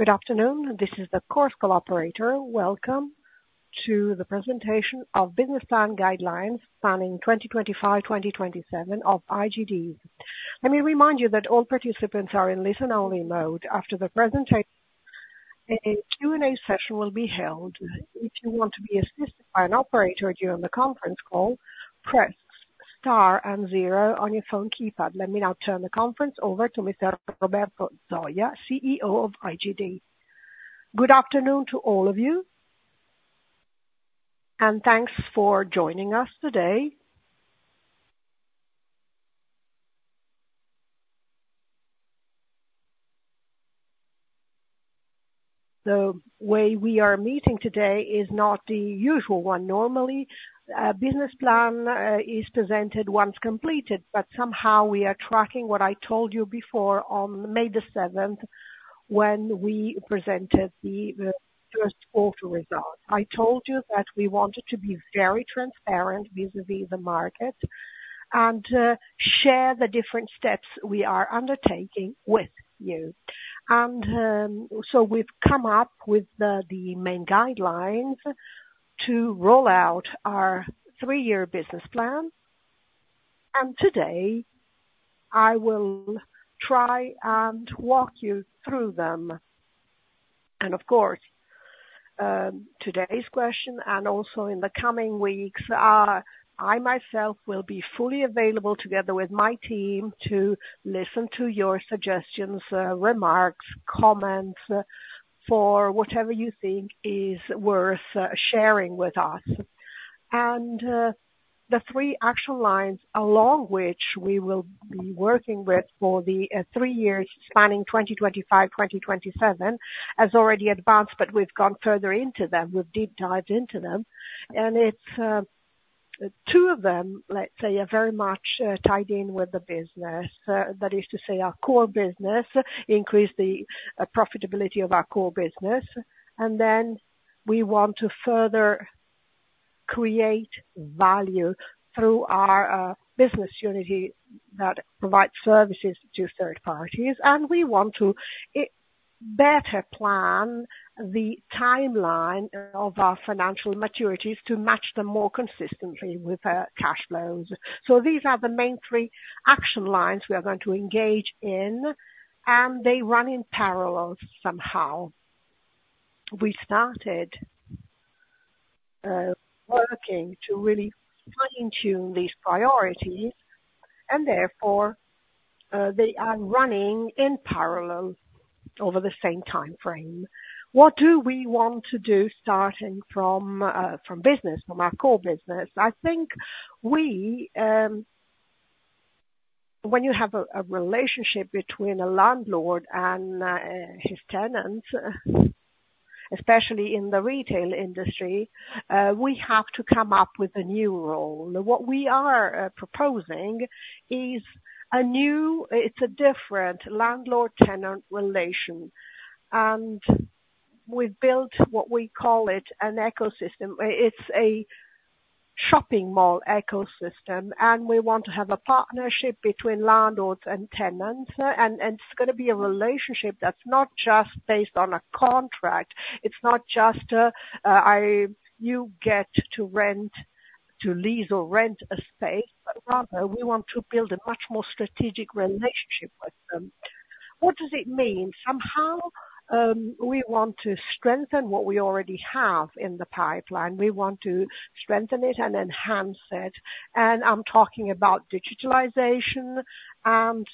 Good afternoon. This is the conference operator. Welcome to the presentation of Business Plan Guidelines, Planning 2025-2027 of IGD. Let me remind you that all participants are in listen-only mode. After the presentation, a Q&A session will be held. If you want to be assisted by an operator during the conference call, press star and zero on your phone keypad. Let me now turn the conference over to Mr. Roberto Zoia, CEO of IGD. Good afternoon to all of you, and thanks for joining us today. The way we are meeting today is not the usual one. Normally, a business plan is presented once completed, but somehow we are tracking what I told you before on May the 7th when we presented the first quarter results. I told you that we wanted to be very transparent vis-à-vis the market and share the different steps we are undertaking with you. So we've come up with the main guidelines to roll out our three-year business plan. Today, I will try and walk you through them. Of course, today's question and also in the coming weeks, I myself will be fully available together with my team to listen to your suggestions, remarks, comments for whatever you think is worth sharing with us. The three action lines along which we will be working with for the three years spanning 2025-2027 have already advanced, but we've gone further into them. We've deep-dived into them. Two of them, let's say, are very much tied in with the business. That is to say, our core business, increase the profitability of our core business. Then we want to further create value through our business unity that provides services to third parties. We want to better plan the timeline of our financial maturities to match them more consistently with cash flows. These are the main three action lines we are going to engage in, and they run in parallel somehow. We started working to really fine-tune these priorities, and therefore, they are running in parallel over the same timeframe. What do we want to do starting from business, from our core business? I think when you have a relationship between a landlord and his tenants, especially in the retail industry, we have to come up with a new role. What we are proposing is a new. It's a different landlord-tenant relation. We've built what we call an ecosystem. It's a shopping mall ecosystem, and we want to have a partnership between landlords and tenants. It's going to be a relationship that's not just based on a contract. It's not just, "you get to lease or rent a space," but rather, we want to build a much more strategic relationship with them. What does it mean? Somehow, we want to strengthen what we already have in the pipeline. We want to strengthen it and enhance it. And I'm talking about digitalization and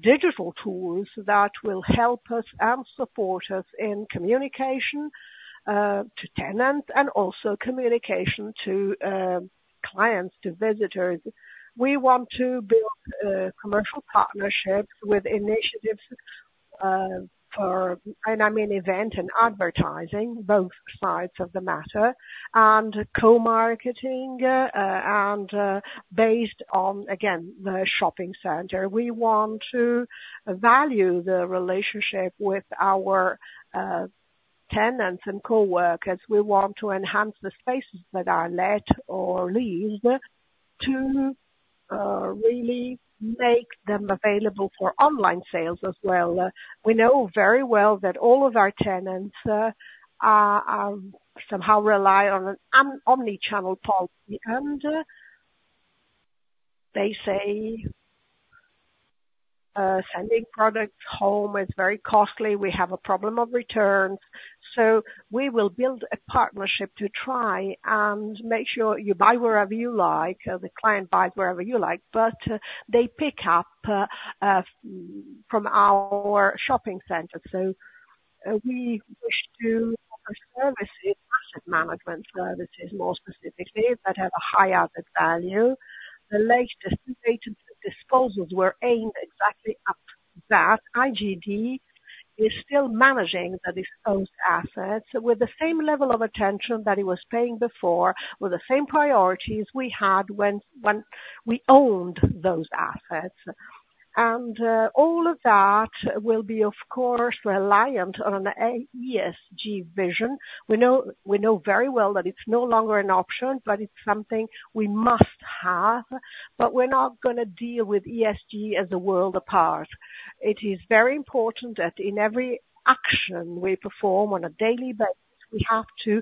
digital tools that will help us and support us in communication to tenants and also communication to clients, to visitors. We want to build commercial partnerships with initiatives for, and I mean event and advertising, both sides of the matter, and co-marketing based on, again, the shopping center. We want to value the relationship with our tenants and co-workers. We want to enhance the spaces that are let or leased to really make them available for online sales as well. We know very well that all of our tenants somehow rely on an omnichannel policy, and they say, "Sending products home is very costly. We have a problem of returns." So we will build a partnership to try and make sure you buy wherever you like, or the client buys wherever you like, but they pick up from our shopping center. So we wish to offer services, asset management services more specifically, that have a high added value. The latest disposals were aimed exactly at that. IGD is still managing the disposed assets with the same level of attention that it was paying before, with the same priorities we had when we owned those assets. And all of that will be, of course, reliant on an ESG vision. We know very well that it's no longer an option, but it's something we must have. But we're not going to deal with ESG as a world apart. It is very important that in every action we perform on a daily basis, we have to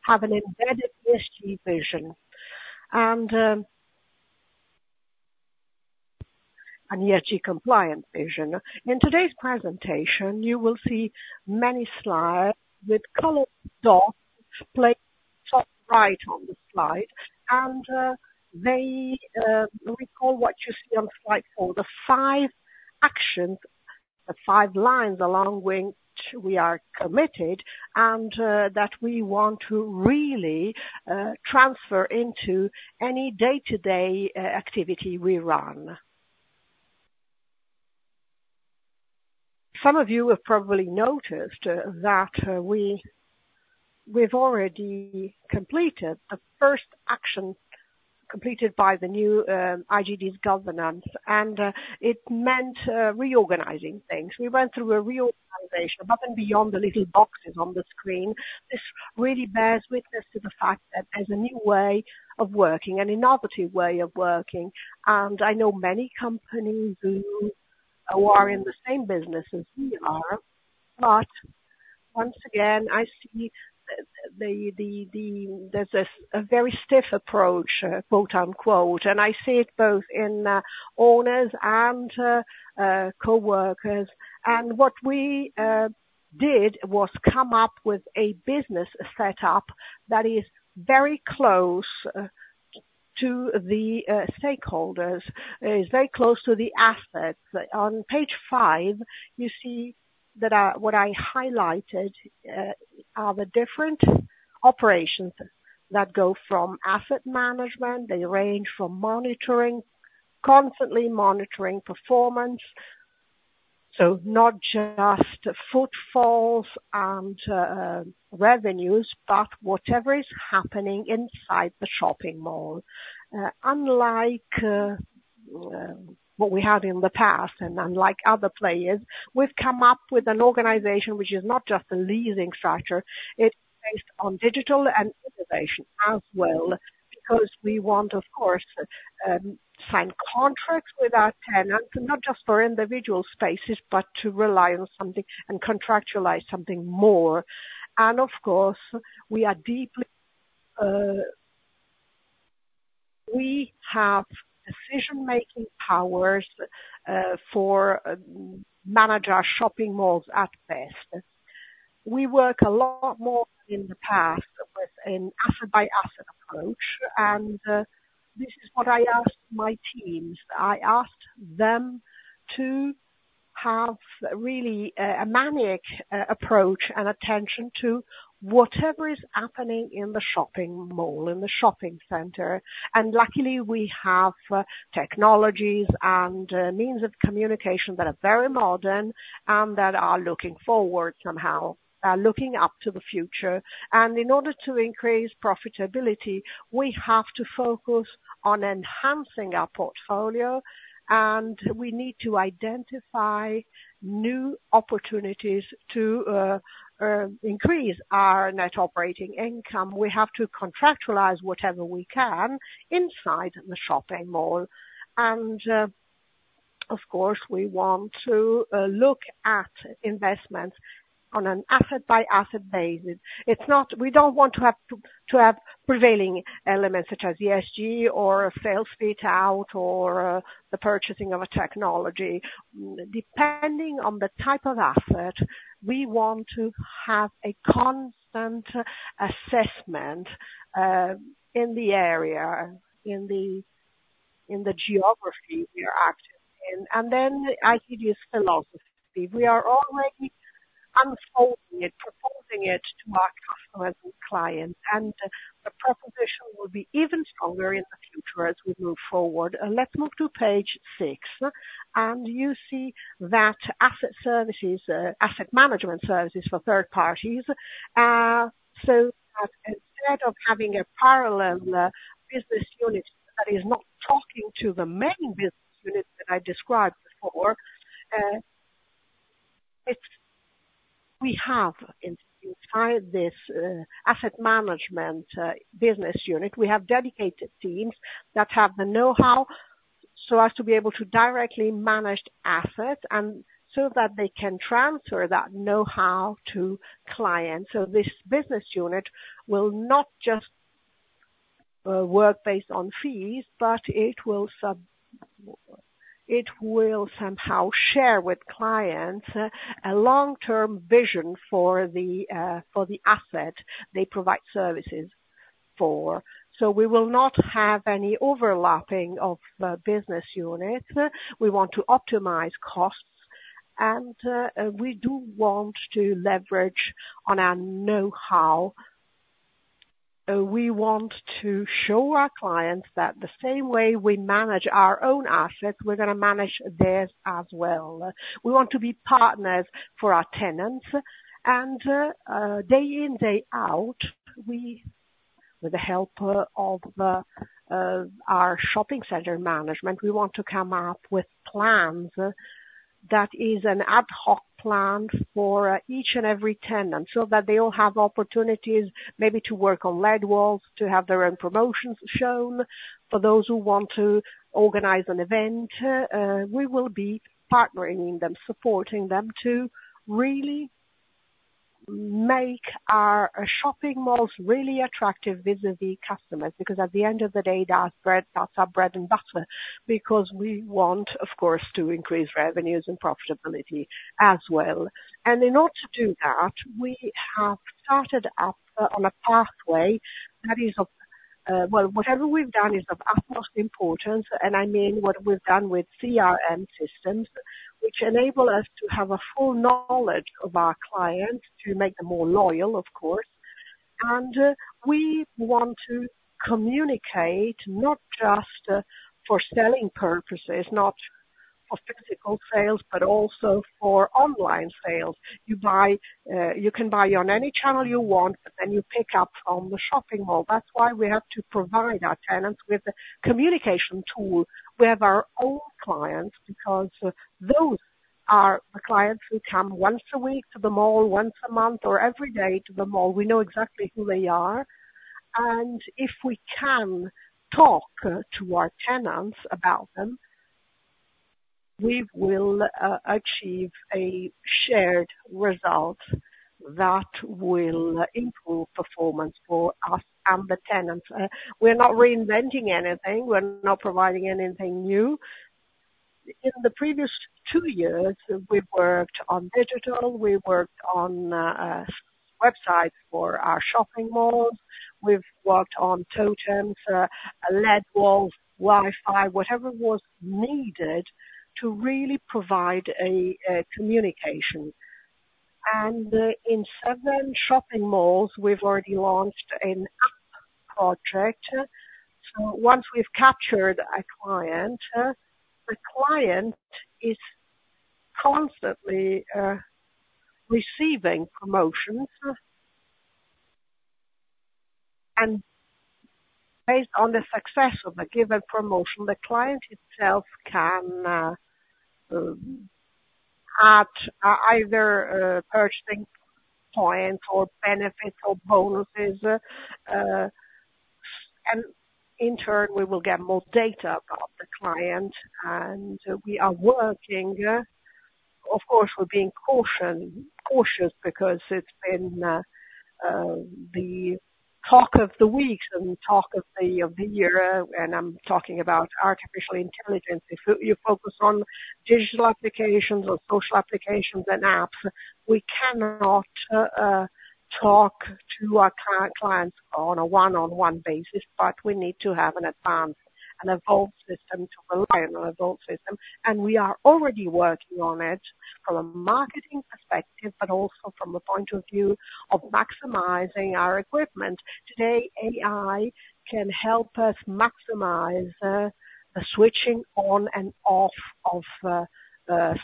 have an embedded ESG vision and ESG compliance vision. In today's presentation, you will see many slides with colored dots placed top right on the slide. And they recall what you see on slide four, the five actions, the five lines along which we are committed and that we want to really transfer into any day-to-day activity we run. Some of you have probably noticed that we've already completed the first action by the new IGD's governance, and it meant reorganizing things. We went through a reorganization above and beyond the little boxes on the screen. This really bears witness to the fact that there's a new way of working, an innovative way of working. I know many companies who are in the same business as we are. But once again, I see there's a very stiff approach, quote unquote. I see it both in owners and co-workers. What we did was come up with a business setup that is very close to the stakeholders, is very close to the assets. On page five, you see that what I highlighted are the different operations that go from asset management. They range from monitoring, constantly monitoring performance, so not just footfalls and revenues, but whatever is happening inside the shopping mall. Unlike what we had in the past and unlike other players, we've come up with an organization which is not just a leasing structure. It's based on digital and innovation as well because we want, of course, to sign contracts with our tenants, not just for individual spaces, but to rely on something and contractualize something more. Of course, we have decision-making powers for managing our shopping malls at best. We work a lot more than in the past with an asset-by-asset approach. This is what I asked my teams. I asked them to have really a maniac approach and attention to whatever is happening in the shopping mall, in the shopping center. Luckily, we have technologies and means of communication that are very modern and that are looking forward somehow, are looking up to the future. In order to increase profitability, we have to focus on enhancing our portfolio, and we need to identify new opportunities to increase our net operating income. We have to contractualize whatever we can inside the shopping mall. Of course, we want to look at investments on an asset-by-asset basis. We don't want to have prevailing elements such as ESG or sales fit-out or the purchasing of a technology. Depending on the type of asset, we want to have a constant assessment in the area, in the geography we are active in. Then IGD's philosophy. We are already unfolding it, proposing it to our customers and clients. The proposition will be even stronger in the future as we move forward. Let's move to page six. You see that asset services, asset management services for third parties, so that instead of having a parallel business unit that is not talking to the main business unit that I described before, we have inside this asset management business unit, we have dedicated teams that have the know-how so as to be able to directly manage assets so that they can transfer that know-how to clients. So this business unit will not just work based on fees, but it will somehow share with clients a long-term vision for the asset they provide services for. So we will not have any overlapping of business units. We want to optimize costs, and we do want to leverage on our know-how. We want to show our clients that the same way we manage our own assets, we're going to manage theirs as well. We want to be partners for our tenants. Day in, day out, we, with the help of our shopping center management, we want to come up with plans. That is an ad hoc plan for each and every tenant so that they all have opportunities maybe to work on lead walls, to have their own promotions shown. For those who want to organize an event, we will be partnering in them, supporting them to really make our shopping malls really attractive vis-à-vis customers because at the end of the day, that's our bread and butter because we want, of course, to increase revenues and profitability as well. And in order to do that, we have started up on a pathway that is of, well, whatever we've done is of utmost importance. And I mean what we've done with CRM systems, which enable us to have a full knowledge of our clients to make them more loyal, of course. And we want to communicate not just for selling purposes, not for physical sales, but also for online sales. You can buy on any channel you want, but then you pick up from the shopping mall. That's why we have to provide our tenants with a communication tool. We have our own clients because those are the clients who come once a week to the mall, once a month, or every day to the mall. We know exactly who they are. And if we can talk to our tenants about them, we will achieve a shared result that will improve performance for us and the tenants. We're not reinventing anything. We're not providing anything new. In the previous two years, we worked on digital. We worked on websites for our shopping malls. We've worked on totems, LED walls, Wi-Fi, whatever was needed to really provide a communication. In seven shopping malls, we've already launched an app project. Once we've captured a client, the client is constantly receiving promotions. Based on the success of a given promotion, the client itself can add either purchasing points or benefits or bonuses. In turn, we will get more data about the client. We are working. Of course, we're being cautious because it's been the talk of the week and talk of the year, and I'm talking about artificial intelligence. If you focus on digital applications or social applications and apps, we cannot talk to our clients on a one-on-one basis, but we need to have an advanced, an evolved system to rely on an evolved system. And we are already working on it from a marketing perspective, but also from a point of view of maximizing our equipment. Today, AI can help us maximize the switching on and off of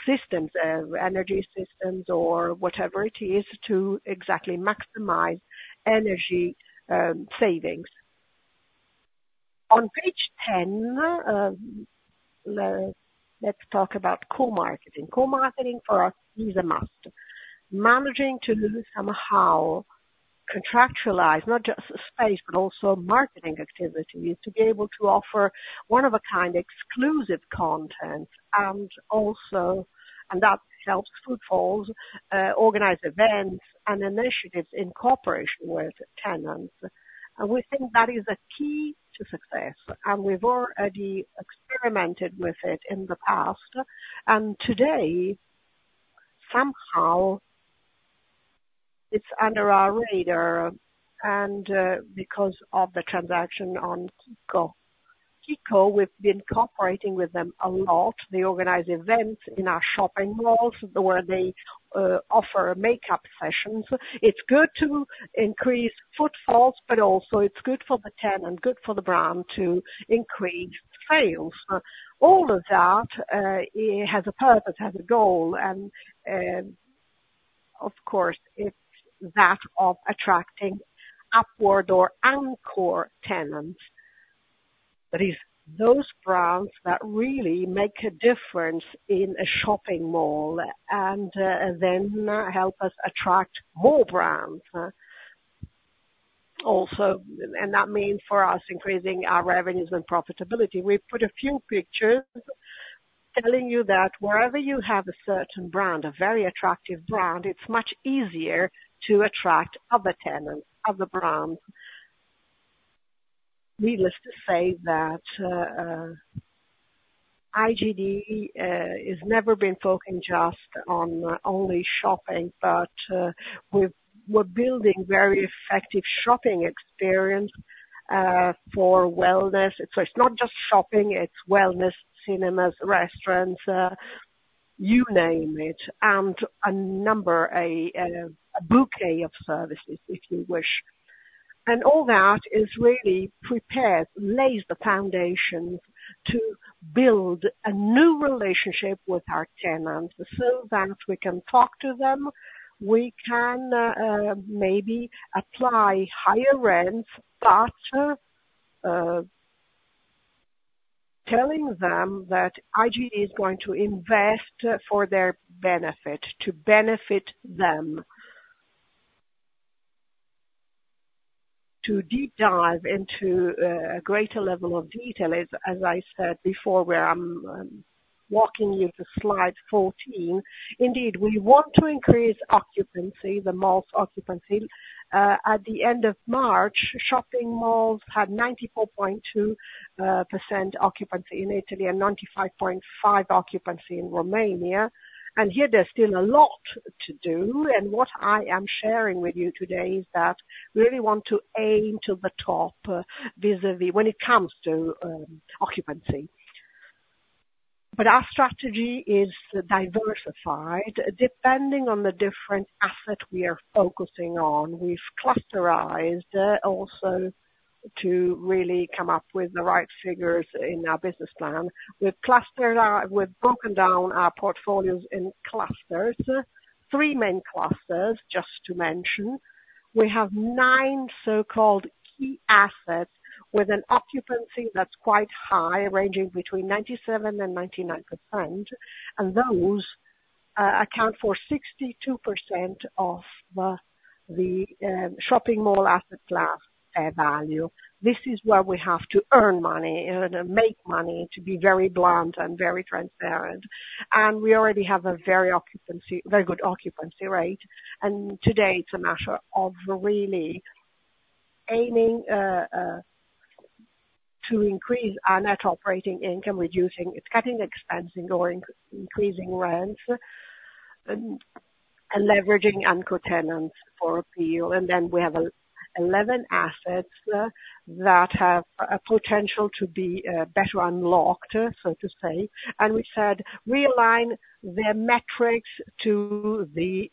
systems, energy systems or whatever it is, to exactly maximize energy savings. On page 10, let's talk about co-marketing. Co-marketing for us is a must. Managing to somehow contractualize not just a space, but also marketing activities to be able to offer one-of-a-kind exclusive content and that helps footfalls, organize events, and initiatives in cooperation with tenants. And we think that is a key to success. And we've already experimented with it in the past. Today, somehow, it's under our radar. Because of the transaction on Kiko, we've been cooperating with them a lot. They organize events in our shopping malls where they offer makeup sessions. It's good to increase footfalls, but also it's good for the tenant, good for the brand to increase sales. All of that has a purpose, has a goal. Of course, it's that of attracting upward or anchor tenants. That is those brands that really make a difference in a shopping mall and then help us attract more brands. Also, and that means for us increasing our revenues and profitability. We put a few pictures telling you that wherever you have a certain brand, a very attractive brand, it's much easier to attract other tenants, other brands. Needless to say that IGD has never been focused just on only shopping, but we're building very effective shopping experience for wellness. So it's not just shopping. It's wellness, cinemas, restaurants, you name it, and a number, a bouquet of services if you wish. And all that is really prepared, lays the foundation to build a new relationship with our tenants so that we can talk to them. We can maybe apply higher rents, but telling them that IGD is going to invest for their benefit, to benefit them. To deep dive into a greater level of detail, as I said before, where I'm walking you to slide 14. Indeed, we want to increase occupancy, the malls' occupancy. At the end of March, shopping malls had 94.2% occupancy in Italy and 95.5% occupancy in Romania. And here, there's still a lot to do. What I am sharing with you today is that we really want to aim to the top vis-à-vis when it comes to occupancy. But our strategy is diversified depending on the different assets we are focusing on. We've clustered also to really come up with the right figures in our business plan. We've broken down our portfolios in clusters, three main clusters, just to mention. We have nine so-called key assets with an occupancy that's quite high, ranging between 97%-99%. And those account for 62% of the shopping mall asset class value. This is where we have to earn money and make money to be very blunt and very transparent. And we already have a very good occupancy rate. And today, it's a matter of really aiming to increase our net operating income, reducing expenses, increasing rents, and leveraging anchor tenants for appeal. And then we have 11 assets that have potential to be better unlocked, so to say. And we said, "Realign their metrics to the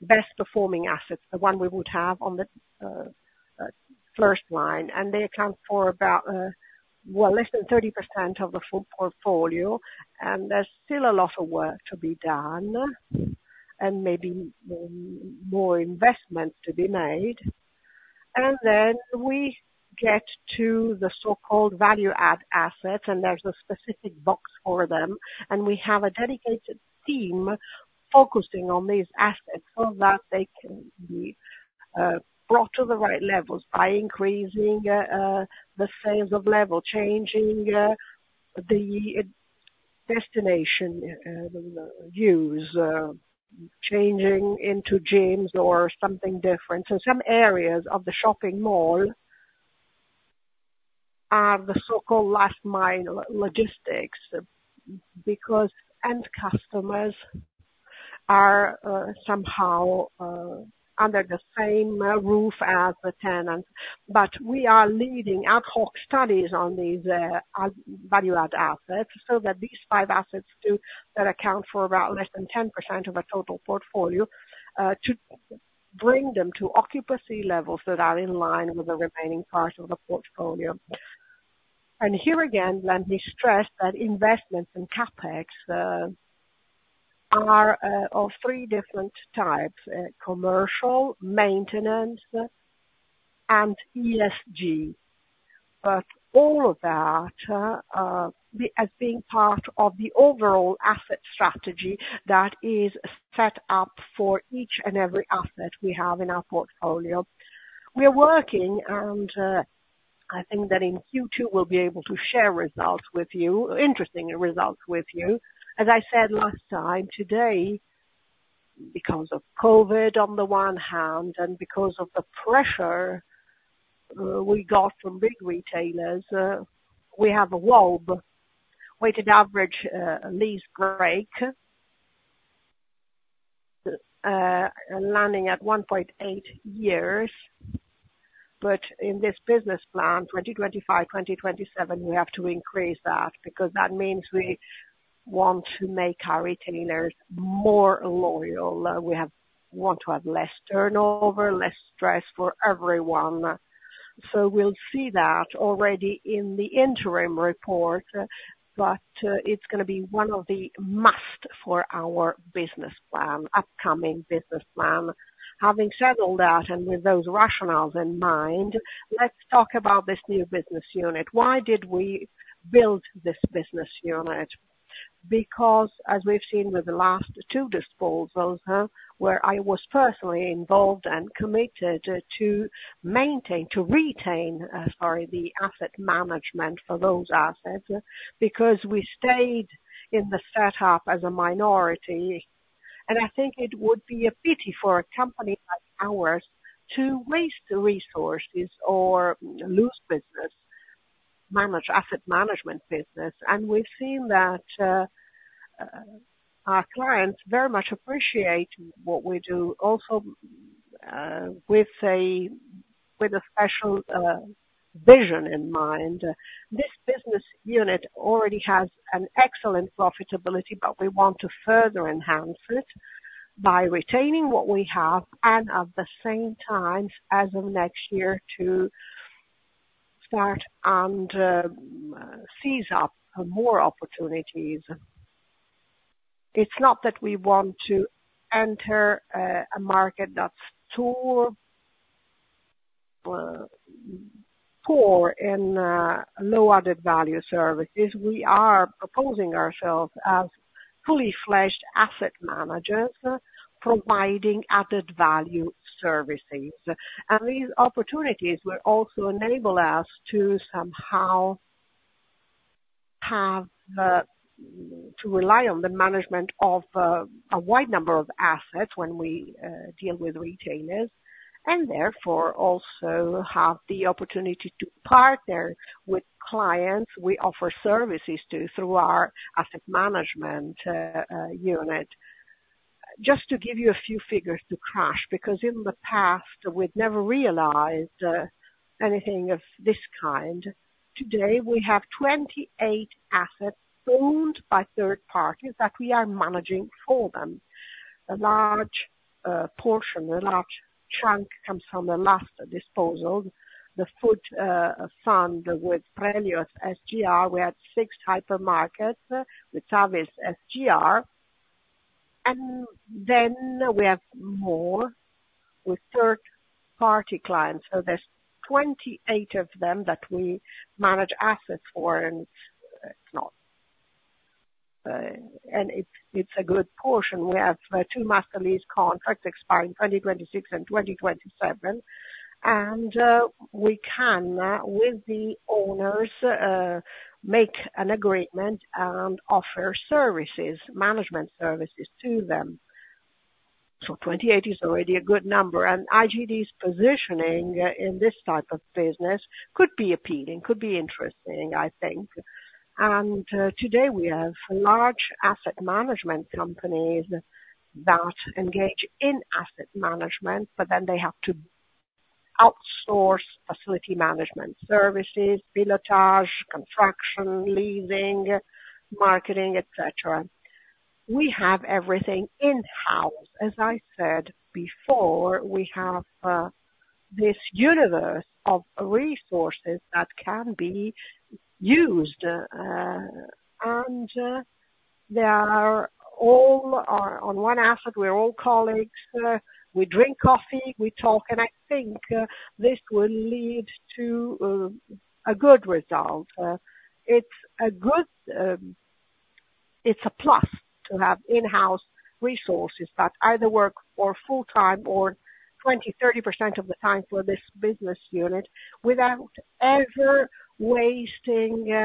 best-performing assets, the one we would have on the first line." And they account for about, well, less than 30% of the full portfolio. And there's still a lot of work to be done and maybe more investments to be made. And then we get to the so-called value-add assets, and there's a specific box for them. And we have a dedicated team focusing on these assets so that they can be brought to the right levels by increasing the sales of level, changing the destination use, changing into gyms or something different. So some areas of the shopping mall are the so-called last-mile logistics because end customers are somehow under the same roof as the tenants. We are leading ad hoc studies on these value-add assets so that these five assets that account for about less than 10% of our total portfolio, to bring them to occupancy levels that are in line with the remaining part of the portfolio. Here again, let me stress that investments in CapEx are of three different types: commercial, maintenance, and ESG. All of that as being part of the overall asset strategy that is set up for each and every asset we have in our portfolio. We are working, and I think that in Q2, we'll be able to share results with you, interesting results with you. As I said last time, today, because of COVID on the one hand, and because of the pressure we got from big retailers, we have a WALB, Weighted Average Lease Break, landing at 1.8 years. But in this business plan, 2025, 2027, we have to increase that because that means we want to make our retailers more loyal. We want to have less turnover, less stress for everyone. So we'll see that already in the interim report, but it's going to be one of the must for our business plan, upcoming business plan. Having said all that, and with those rationales in mind, let's talk about this new business unit. Why did we build this business unit? Because, as we've seen with the last two disposals, where I was personally involved and committed to maintain, to retain, sorry, the asset management for those assets because we stayed in the setup as a minority. And I think it would be a pity for a company like ours to waste resources or lose business, asset management business. We've seen that our clients very much appreciate what we do, also with a special vision in mind. This business unit already has an excellent profitability, but we want to further enhance it by retaining what we have and at the same time, as of next year, to start and seize up more opportunities. It's not that we want to enter a market that's too poor in low-added value services. We are proposing ourselves as fully fledged asset managers providing added value services. These opportunities will also enable us to somehow have to rely on the management of a wide number of assets when we deal with retailers and therefore also have the opportunity to partner with clients we offer services to through our asset management unit. Just to give you a few figures to crunch, because in the past, we'd never realized anything of this kind. Today, we have 28 assets owned by third parties that we are managing for them. A large portion, a large chunk comes from the last disposal, the Food Fund with Prelios SGR. We had 6 hypermarkets with Savills SGR. And then we have more with third-party clients. So there's 28 of them that we manage assets for. And it's a good portion. We have two master lease contracts expiring 2026 and 2027. And we can, with the owners, make an agreement and offer services, management services to them. So 28 is already a good number. And IGD's positioning in this type of business could be appealing, could be interesting, I think. And today, we have large asset management companies that engage in asset management, but then they have to outsource facility management services, pilotage construction, leasing, marketing, etc. We have everything in-house. As I said before, we have this universe of resources that can be used. They are all on one asset. We're all colleagues. We drink coffee. We talk. I think this will lead to a good result. It's a plus to have in-house resources that either work full-time or 20% or 30% of the time for this business unit without ever wasting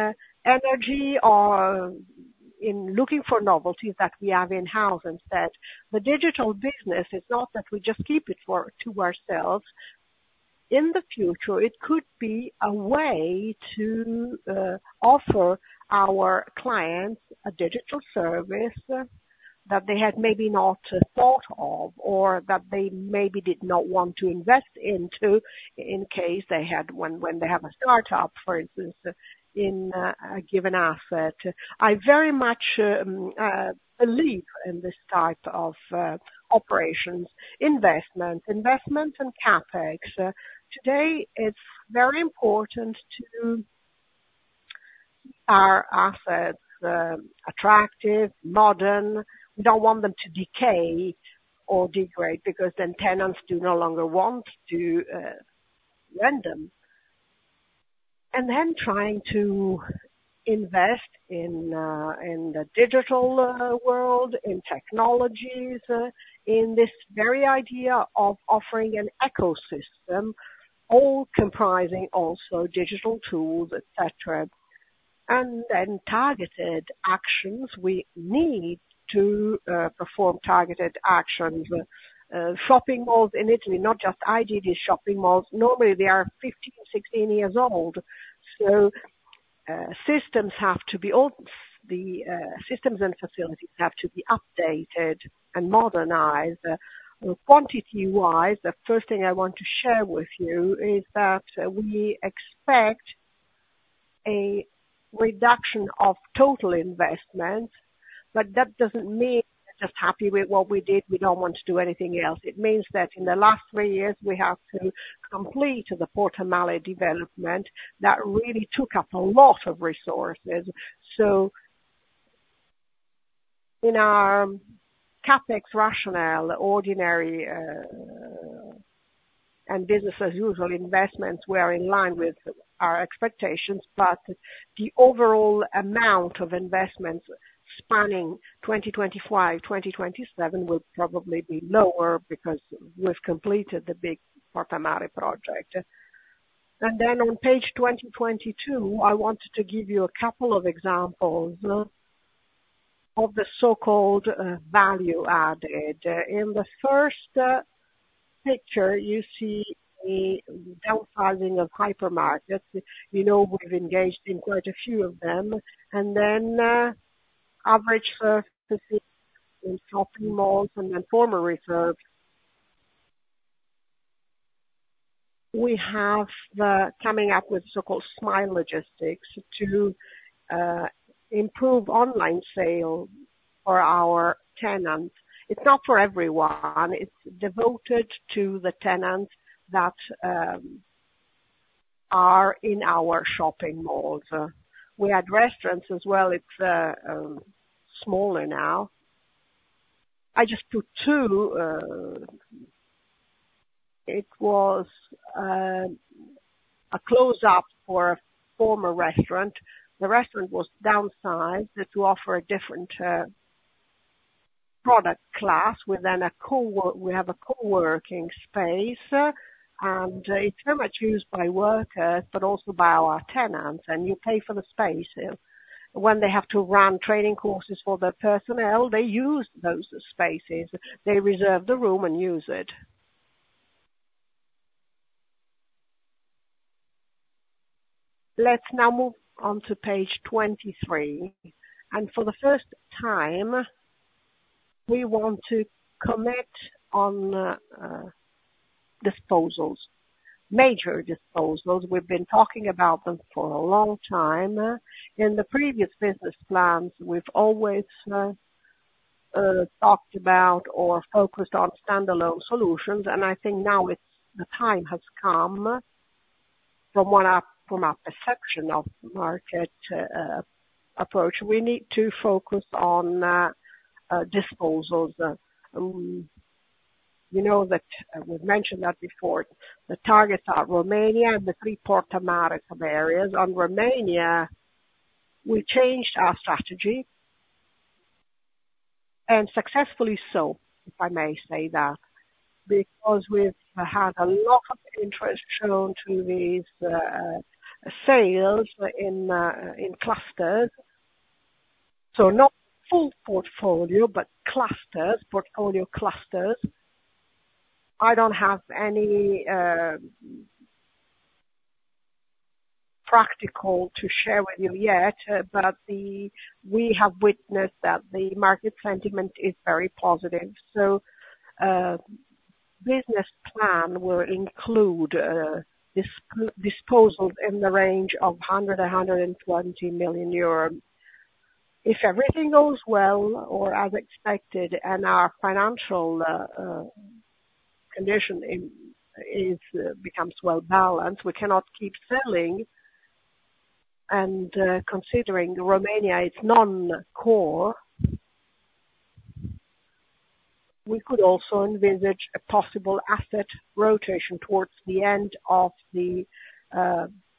energy or in looking for novelties that we have in-house instead. The digital business is not that we just keep it to ourselves. In the future, it could be a way to offer our clients a digital service that they had maybe not thought of or that they maybe did not want to invest into in case they had, when they have a startup, for instance, in a given asset. I very much believe in this type of operations, investments, investments and CapEx. Today, it's very important to keep our assets attractive, modern. We don't want them to decay or degrade because then tenants do no longer want to rent them. And then trying to invest in the digital world, in technologies, in this very idea of offering an ecosystem, all comprising also digital tools, etc. And then targeted actions. We need to perform targeted actions. Shopping malls in Italy, not just IGD shopping malls, normally they are 15, 16 years old. So systems have to be old. The systems and facilities have to be updated and modernized. Quantity-wise, the first thing I want to share with you is that we expect a reduction of total investments, but that doesn't mean we're just happy with what we did. We don't want to do anything else. It means that in the last three years, we have to complete the Porta a Mare development that really took up a lot of resources. So in our CapEx rationale, ordinary and business-as-usual investments were in line with our expectations, but the overall amount of investments spanning 2025, 2027 will probably be lower because we've completed the big Porta a Mare project. And then on page 22, I wanted to give you a couple of examples of the so-called value-added. In the first picture, you see the downsizing of hypermarkets. You know we've engaged in quite a few of them. And then average services in shopping malls and then former reserves. We have come up with so-called last-mile logistics to improve online sales for our tenants. It's not for everyone. It's devoted to the tenants that are in our shopping malls. We had restaurants as well. It's smaller now. I just put two. It was a closure for a former restaurant. The restaurant was downsized to offer a different product class. We have a coworking space, and it's very much used by workers, but also by our tenants. And you pay for the space. When they have to run training courses for the personnel, they use those spaces. They reserve the room and use it. Let's now move on to page 23. For the first time, we want to commit on disposals, major disposals. We've been talking about them for a long time. In the previous business plans, we've always talked about or focused on standalone solutions. I think now the time has come, from our perception of the market approach, we need to focus on disposals. You know that we've mentioned that before. The targets are Romania and the three Porta a Mare areas. On Romania, we changed our strategy, and successfully so, if I may say that, because we've had a lot of interest shown to these sales in clusters. So not full portfolio, but clusters, portfolio clusters. I don't have any particulars to share with you yet, but we have witnessed that the market sentiment is very positive. So business plan will include disposals in the range of 100 million-120 million euros. If everything goes well or as expected and our financial condition becomes well-balanced, we cannot keep selling. And considering Romania is non-core, we could also envisage a possible asset rotation towards the end of the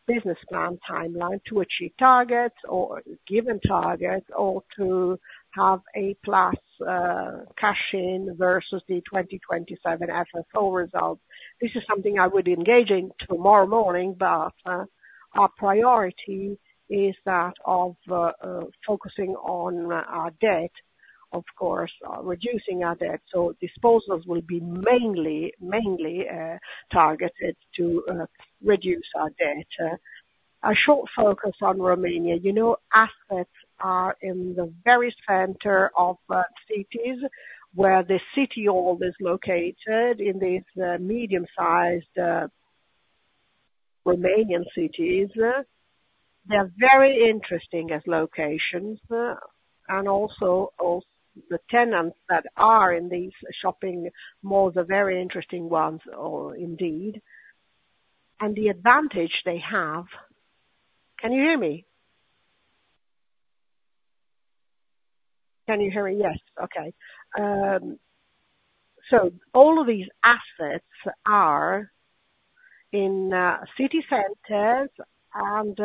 business plan timeline to achieve targets or given targets or to have a plus cash in versus the 2027 FFO results. This is something I would engage in tomorrow morning, but our priority is that of focusing on our debt, of course, reducing our debt. So disposals will be mainly targeted to reduce our debt. A short focus on Romania. You know, assets are in the very center of cities where the city hall is located in these medium-sized Romanian cities. They're very interesting as locations. And also, the tenants that are in these shopping malls are very interesting ones indeed. And the advantage they have. Can you hear me? Can you hear me? Yes. Okay. So all of these assets are in city centers, and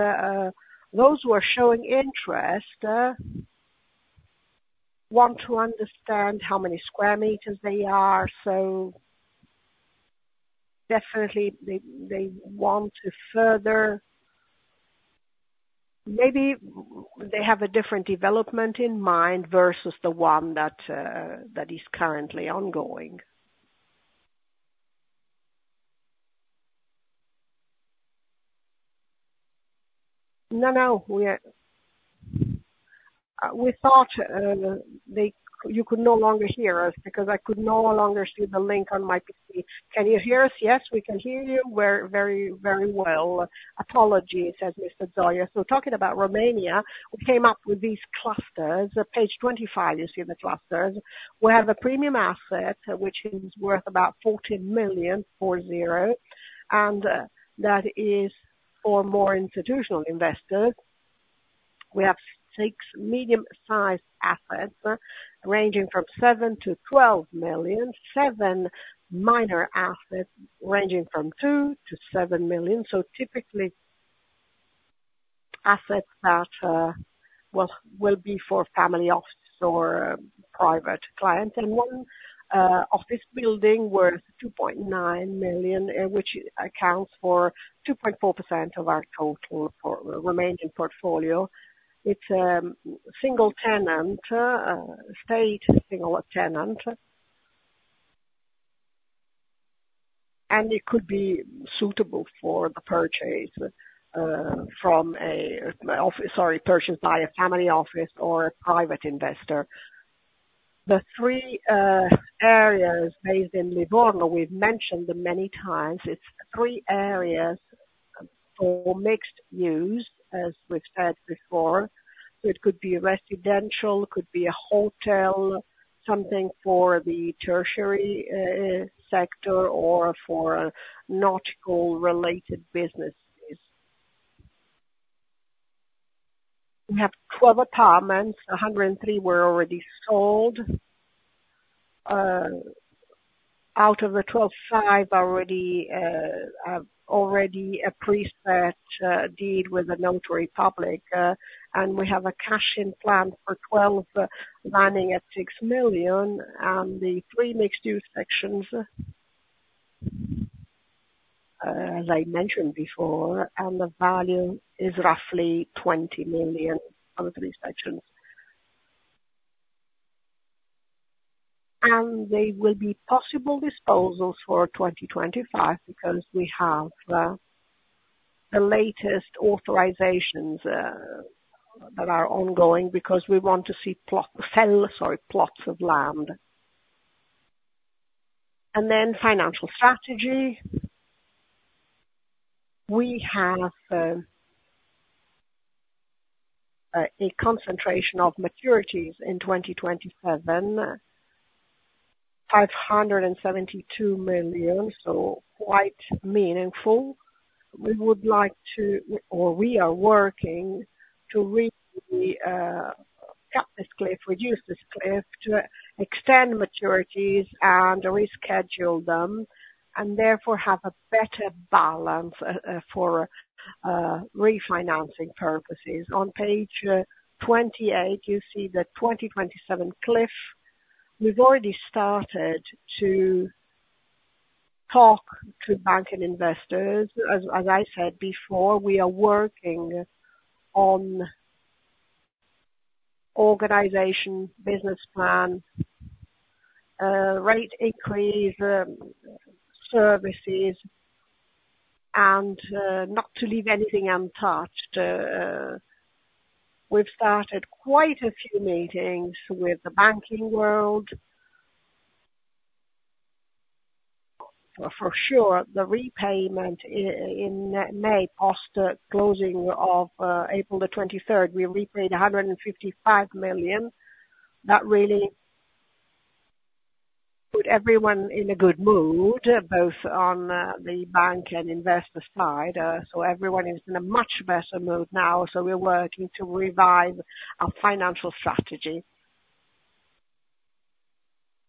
those who are showing interest want to understand how many square meters they are. So definitely, they want to further. Maybe they have a different development in mind versus the one that is currently ongoing. No, no. We thought you could no longer hear us because I could no longer see the link on my PC. Can you hear us? Yes, we can hear you very, very well. Apologies, Mr. Zoia. So talking about Romania, we came up with these clusters. Page 25, you see the clusters. We have a premium asset, which is worth about 14 million, and that is for more institutional investors. We have six medium-sized assets ranging from 7 million-12 million, seven minor assets ranging from 2 million-7 million. So typically, assets that will be for family offices or private clients. And one office building worth 2.9 million, which accounts for 2.4% of our total remaining portfolio. It's a single tenant, state single tenant. And it could be suitable for the purchase from a, sorry, purchased by a family office or a private investor. The three areas based in Livorno, we've mentioned many times. It's three areas for mixed use, as we've said before. So it could be a residential, could be a hotel, something for the tertiary sector, or for nautical-related businesses. We have 12 apartments. 103 were already sold. Out of the 12, 5 already have a deed with the notary public. And we have a cash-in plan for 12, landing at 6 million. And the three mixed-use sections, as I mentioned before, and the value is roughly 20 million on three sections. And they will be possible disposals for 2025 because we have the latest authorizations that are ongoing because we want to sell plots of land. And then financial strategy. We have a concentration of maturities in 2027, EUR 572 million, so quite meaningful. We would like to, or we are working to really cut this cliff, reduce this cliff, to extend maturities and reschedule them, and therefore have a better balance for refinancing purposes. On page 28, you see the 2027 cliff. We've already started to talk to bank and investors. As I said before, we are working on organization, business plan, rate increase, services, and not to leave anything untouched. We've started quite a few meetings with the banking world. For sure, the repayment in May, post-closing of April the 23rd, we repaid 155 million. That really put everyone in a good mood, both on the bank and investor side. So everyone is in a much better mood now. So we're working to revive our financial strategy.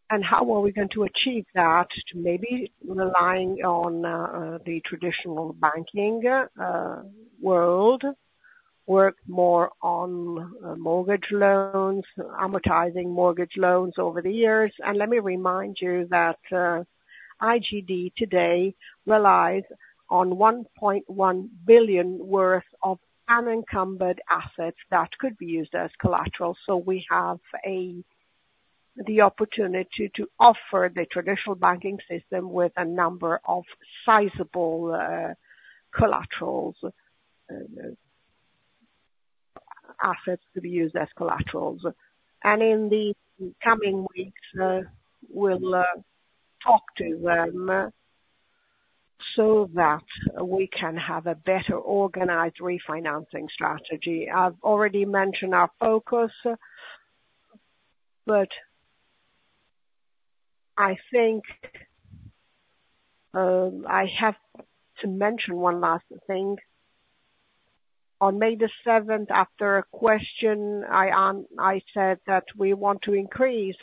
And how are we going to achieve that? Maybe relying on the traditional banking world, work more on mortgage loans, amortizing mortgage loans over the years. And let me remind you that IGD today relies on 1.1 billion worth of unencumbered assets that could be used as collateral. So we have the opportunity to offer the traditional banking system with a number of sizable collaterals, assets to be used as collaterals. In the coming weeks, we'll talk to them so that we can have a better organized refinancing strategy. I've already mentioned our focus, but I think I have to mention one last thing. On May the 7th, after a question, I said that we want to increase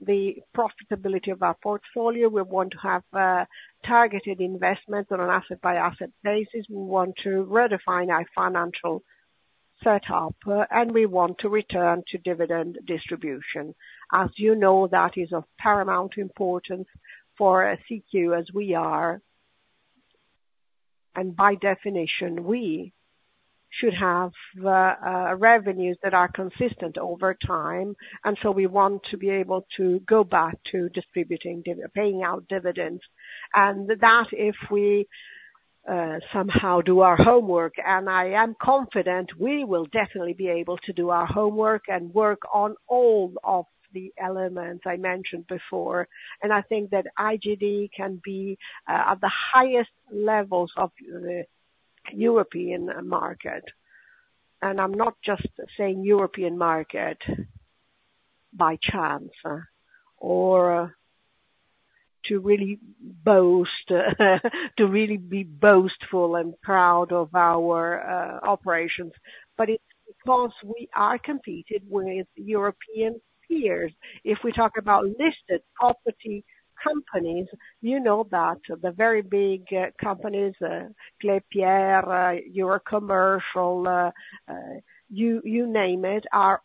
the profitability of our portfolio. We want to have targeted investments on an asset-by-asset basis. We want to redefine our financial setup, and we want to return to dividend distribution. As you know, that is of paramount importance for SIIQ as we are. By definition, we should have revenues that are consistent over time. So we want to be able to go back to distributing, paying out dividends. And that if we somehow do our homework, and I am confident we will definitely be able to do our homework and work on all of the elements I mentioned before. I think that IGD can be at the highest levels of the European market. I'm not just saying European market by chance or to really boast, to really be boastful and proud of our operations. But it's because we are competed with European peers. If we talk about listed property companies, you know that the very big companies, Klépierre, Eurocommercial, you name it, are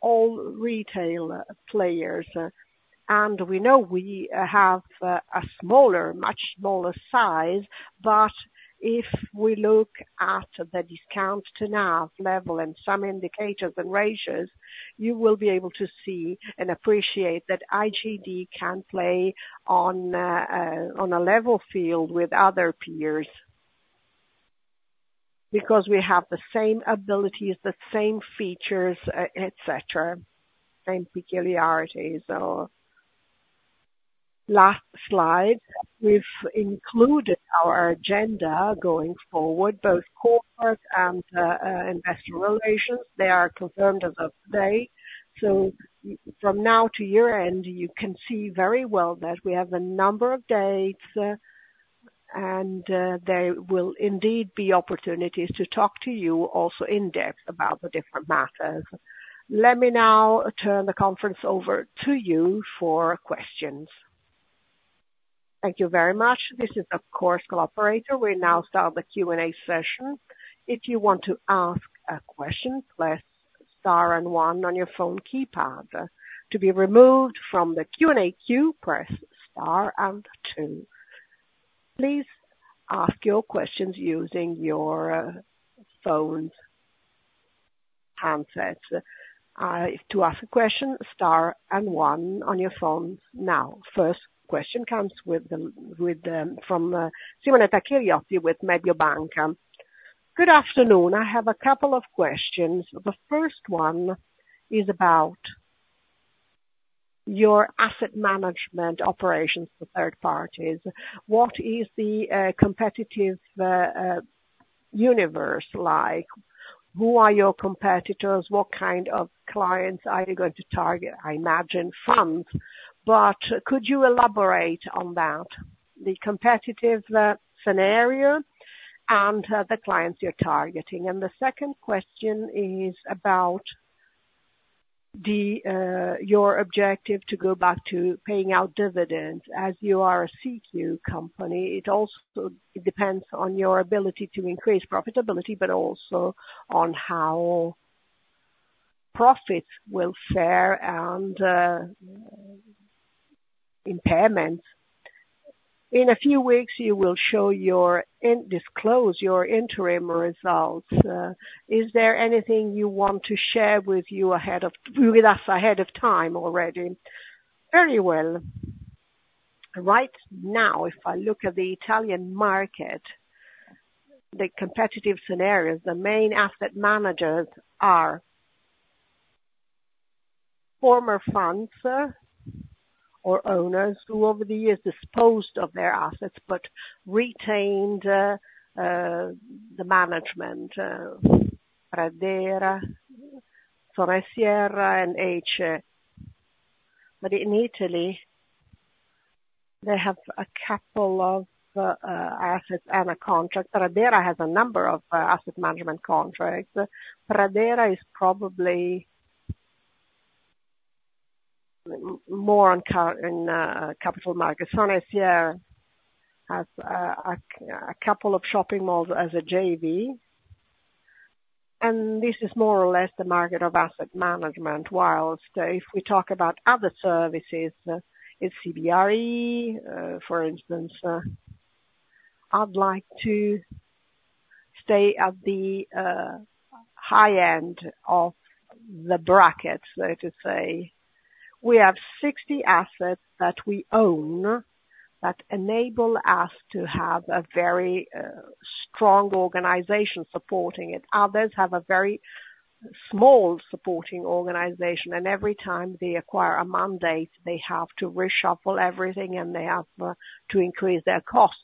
all retail players. We know we have a smaller, much smaller size. But if we look at the discount to NAV level and some indicators and ratios, you will be able to see and appreciate that IGD can play on a level field with other peers because we have the same abilities, the same features, etc., same peculiarities. Last slide. We've included our agenda going forward, both corporate and investor relations. They are confirmed as of today. So from now to year end, you can see very well that we have a number of dates, and there will indeed be opportunities to talk to you also in depth about the different matters. Let me now turn the conference over to you for questions. Thank you very much. This is, of course, Collaborator. We now start the Q&A session. If you want to ask a question, press star and one on your phone keypad. To be removed from the Q&A queue, press star and two. Please ask your questions using your phone handsets. To ask a question, star and one on your phones now. First question comes from Simonetta Chiriotti with Mediobanca. Good afternoon. I have a couple of questions. The first one is about your asset management operations for third parties. What is the competitive universe like? Who are your competitors? What kind of clients are you going to target? I imagine funds, but could you elaborate on that, the competitive scenario and the clients you're targeting? And the second question is about your objective to go back to paying out dividends. As you are a SIIQ company, it also depends on your ability to increase profitability, but also on how profits will fare and impairments. In a few weeks, you will disclose your interim results. Is there anything you want to share with us ahead of time already? Very well. Right now, if I look at the Italian market, the competitive scenarios, the main asset managers are former funds or owners who over the years disposed of their assets but retained the management, Pradera, Forestiera, and ECE. But in Italy, they have a couple of assets and a contract. Pradera has a number of asset management contracts. Pradera is probably more in capital markets. Forestiera has a couple of shopping malls as a JV. And this is more or less the market of asset management. While if we talk about other services, it's CBRE, for instance. I'd like to stay at the high end of the bracket, so to say. We have 60 assets that we own that enable us to have a very strong organization supporting it. Others have a very small supporting organization. Every time they acquire a mandate, they have to reshuffle everything, and they have to increase their costs.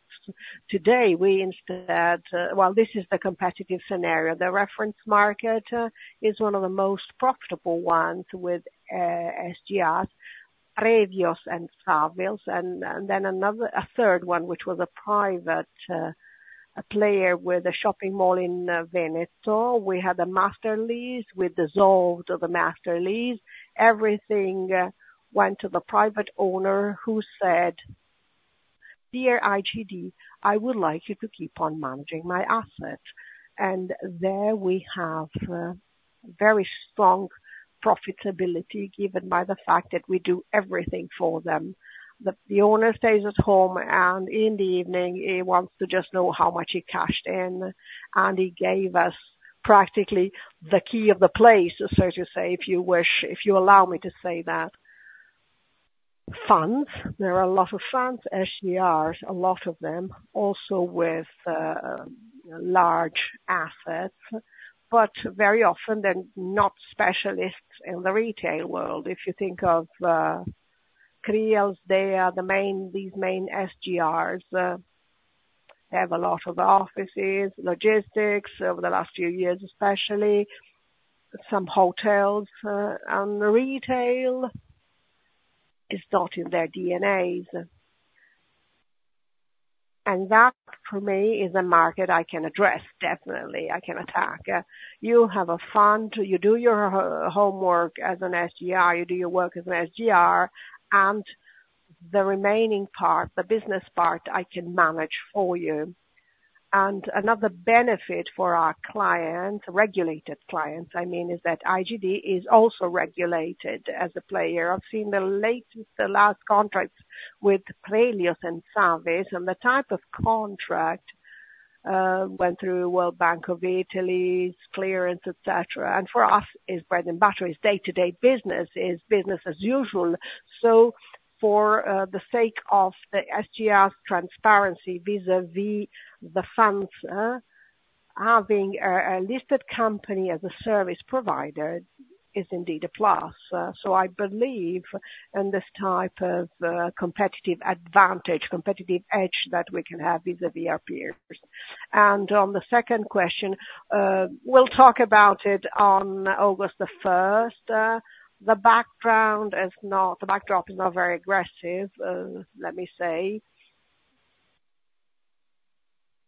Today, we instead. Well, this is the competitive scenario. The reference market is one of the most profitable ones with SGR, Prelios, and Savills. And then a third one, which was a private player with a shopping mall in Veneto. We had a master lease with dissolution of the master lease. Everything went to the private owner who said, "Dear IGD, I would like you to keep on managing my asset." And there we have very strong profitability given by the fact that we do everything for them. The owner stays at home, and in the evening, he wants to just know how much he cashed in. And he gave us practically the key of the place, so to say, if you allow me to say that. Funds. There are a lot of funds, SGRs, a lot of them, also with large assets. But very often, they're not specialists in the retail world. If you think of Kryalos, they are these main SGRs. They have a lot of offices, logistics over the last few years, especially. Some hotels and retail is not in their DNAs. And that, for me, is a market I can address, definitely. I can attack. You have a fund. You do your homework as an SGR. You do your work as an SGR. And the remaining part, the business part, I can manage for you. And another benefit for our clients, regulated clients, I mean, is that IGD is also regulated as a player. I've seen the latest, the last contracts with Prelios and Savills. And the type of contract went through Banca d'Italia's clearance, etc. And for us, it's bread and butter. It's day-to-day business. It's business as usual. So for the sake of the SGR's transparency vis-à-vis the funds, having a listed company as a service provider is indeed a plus. So I believe in this type of competitive advantage, competitive edge that we can have vis-à-vis our peers. And on the second question, we'll talk about it on August 1st. The background is not—the backdrop is not very aggressive, let me say.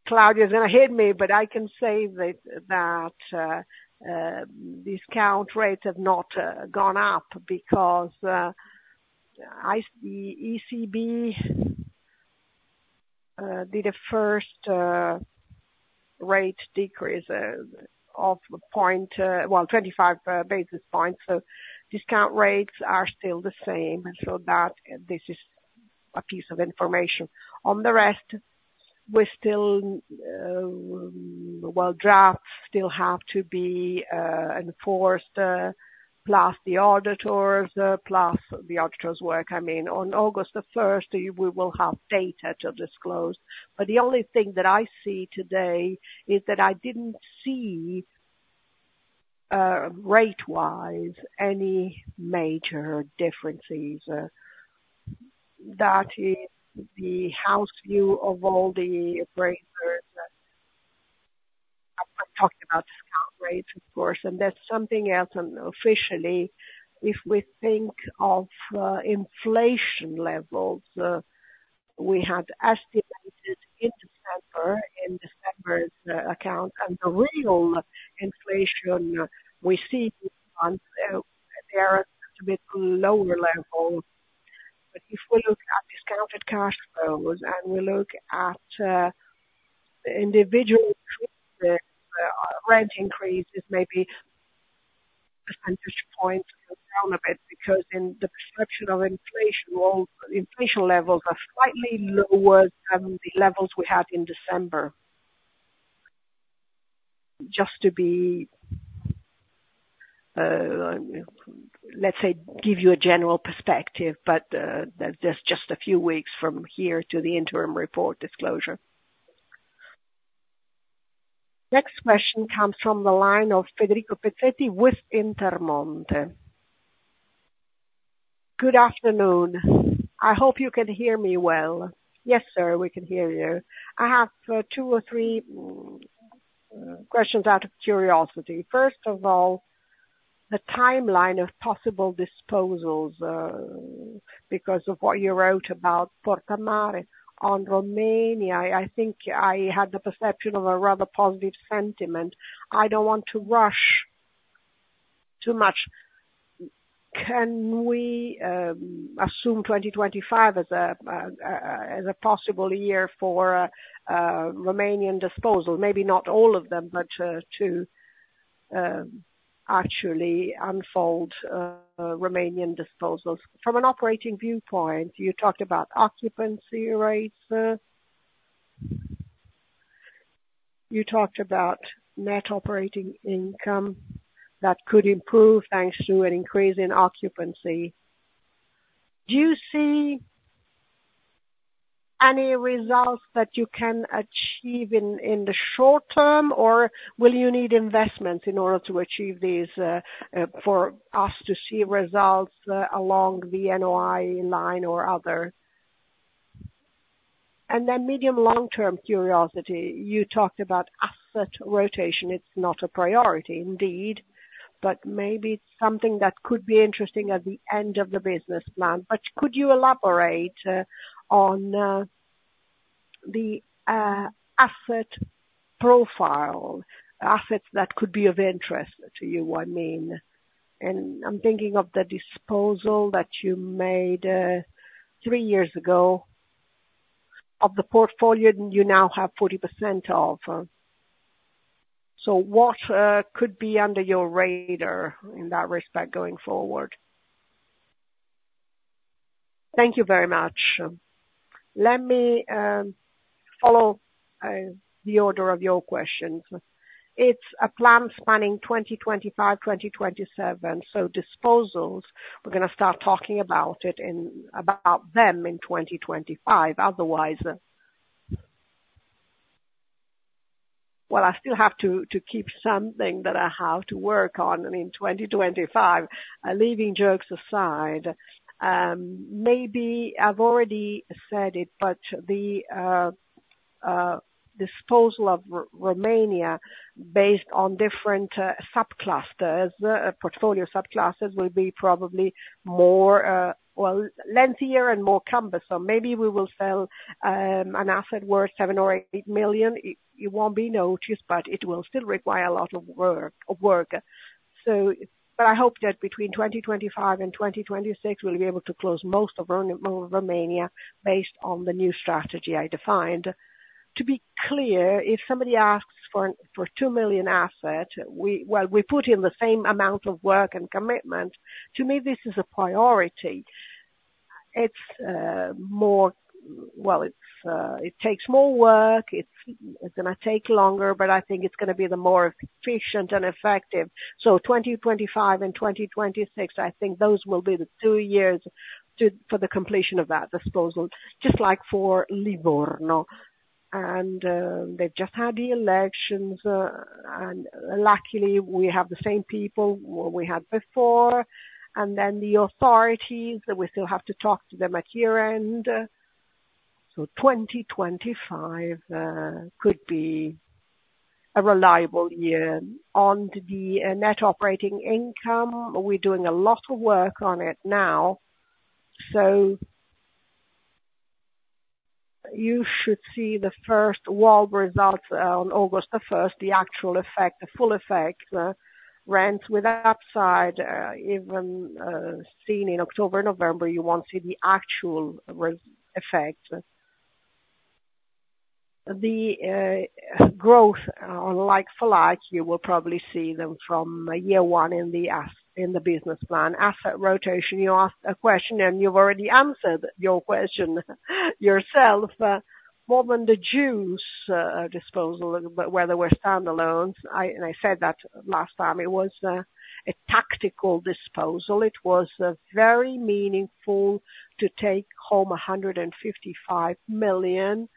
Claudio is going to hear me, but I can say that discount rates have not gone up because the ECB did a first rate decrease of, well, 25 basis points. So discount rates are still the same. So this is a piece of information. On the rest, we're still—well, drafts still have to be enforced, plus the auditors, plus the auditors' work. I mean, on August 1st, we will have data to disclose. But the only thing that I see today is that I didn't see, rate-wise, any major differences. That is the house view of all the operators. I'm talking about discount rates, of course. And there's something else. And officially, if we think of inflation levels, we had estimated in December, in December's account. And the real inflation we see these months, they're at a bit lower level. But if we look at discounted cash flows and we look at individual rent increases, maybe a percentage point down a bit because in the perception of inflation, inflation levels are slightly lower than the levels we had in December. Just to be, let's say, give you a general perspective, but there's just a few weeks from here to the interim report disclosure. Next question comes from the line of Federico Pezzetti with Intermonte. Good afternoon. I hope you can hear me well. Yes, sir, we can hear you. I have two or three questions out of curiosity. First of all, the timeline of possible disposals because of what you wrote about Porta a Mare on Romania. I think I had the perception of a rather positive sentiment. I don't want to rush too much. Can we assume 2025 as a possible year for Romanian disposal? Maybe not all of them, but to actually unfold Romanian disposals. From an operating viewpoint, you talked about occupancy rates. You talked about net operating income that could improve thanks to an increase in occupancy. Do you see any results that you can achieve in the short term, or will you need investments in order to achieve these for us to see results along the NOI line or other? And then medium-long-term curiosity. You talked about asset rotation. It's not a priority, indeed, but maybe it's something that could be interesting at the end of the business plan. But could you elaborate on the asset profile, assets that could be of interest to you, I mean? And I'm thinking of the disposal that you made three years ago of the portfolio you now have 40% of. So what could be under your radar in that respect going forward? Thank you very much. Let me follow the order of your questions. It's a plan spanning 2025, 2027. So disposals, we're going to start talking about them in 2025. Otherwise, well, I still have to keep something that I have to work on in 2025. Leaving jokes aside, maybe I've already said it, but the disposal of Romania based on different portfolio subclasses will be probably more lengthier and more cumbersome. Maybe we will sell an asset worth 7 million or 8 million. It won't be noticed, but it will still require a lot of work. But I hope that between 2025 and 2026, we'll be able to close most of Romania based on the new strategy I defined. To be clear, if somebody asks for a 2 million asset, well, we put in the same amount of work and commitment. To me, this is a priority. Well, it takes more work. It's going to take longer, but I think it's going to be the more efficient and effective. So 2025 and 2026, I think those will be the two years for the completion of that disposal, just like for Livorno. And they've just had the elections. And luckily, we have the same people we had before. And then the authorities, we still have to talk to them at year-end. So 2025 could be a reliable year. On the net operating income, we're doing a lot of work on it now. So you should see the first wild results on August 1st, the actual effect, the full effect. Rents with upside, even seen in October and November, you won't see the actual effect. The growth, like for like, you will probably see them from year one in the business plan. Asset rotation, you asked a question, and you've already answered your question yourself. More than the huge disposal, whether we're standalones. And I said that last time. It was a tactical disposal. It was very meaningful to take home 155 million,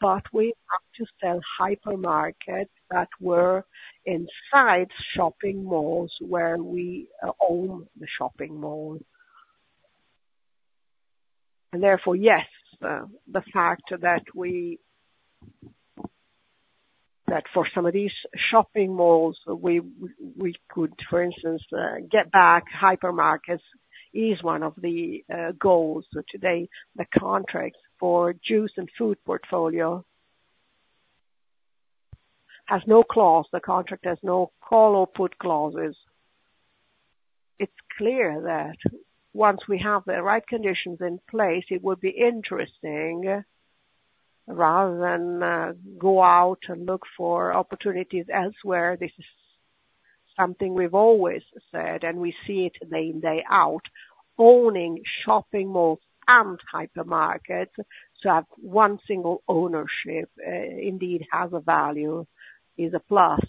but we have to sell hypermarkets that were inside shopping malls where we own the shopping malls. And therefore, yes, the fact that for some of these shopping malls, we could, for instance, get back hypermarkets is one of the goals. Today, the contract for the Food Fund has no clause. The contract has no call or put clauses. It's clear that once we have the right conditions in place, it would be interesting rather than go out and look for opportunities elsewhere. This is something we've always said, and we see it day in, day out. Owning shopping malls and hypermarkets to have one single ownership, indeed, has a value, is a plus.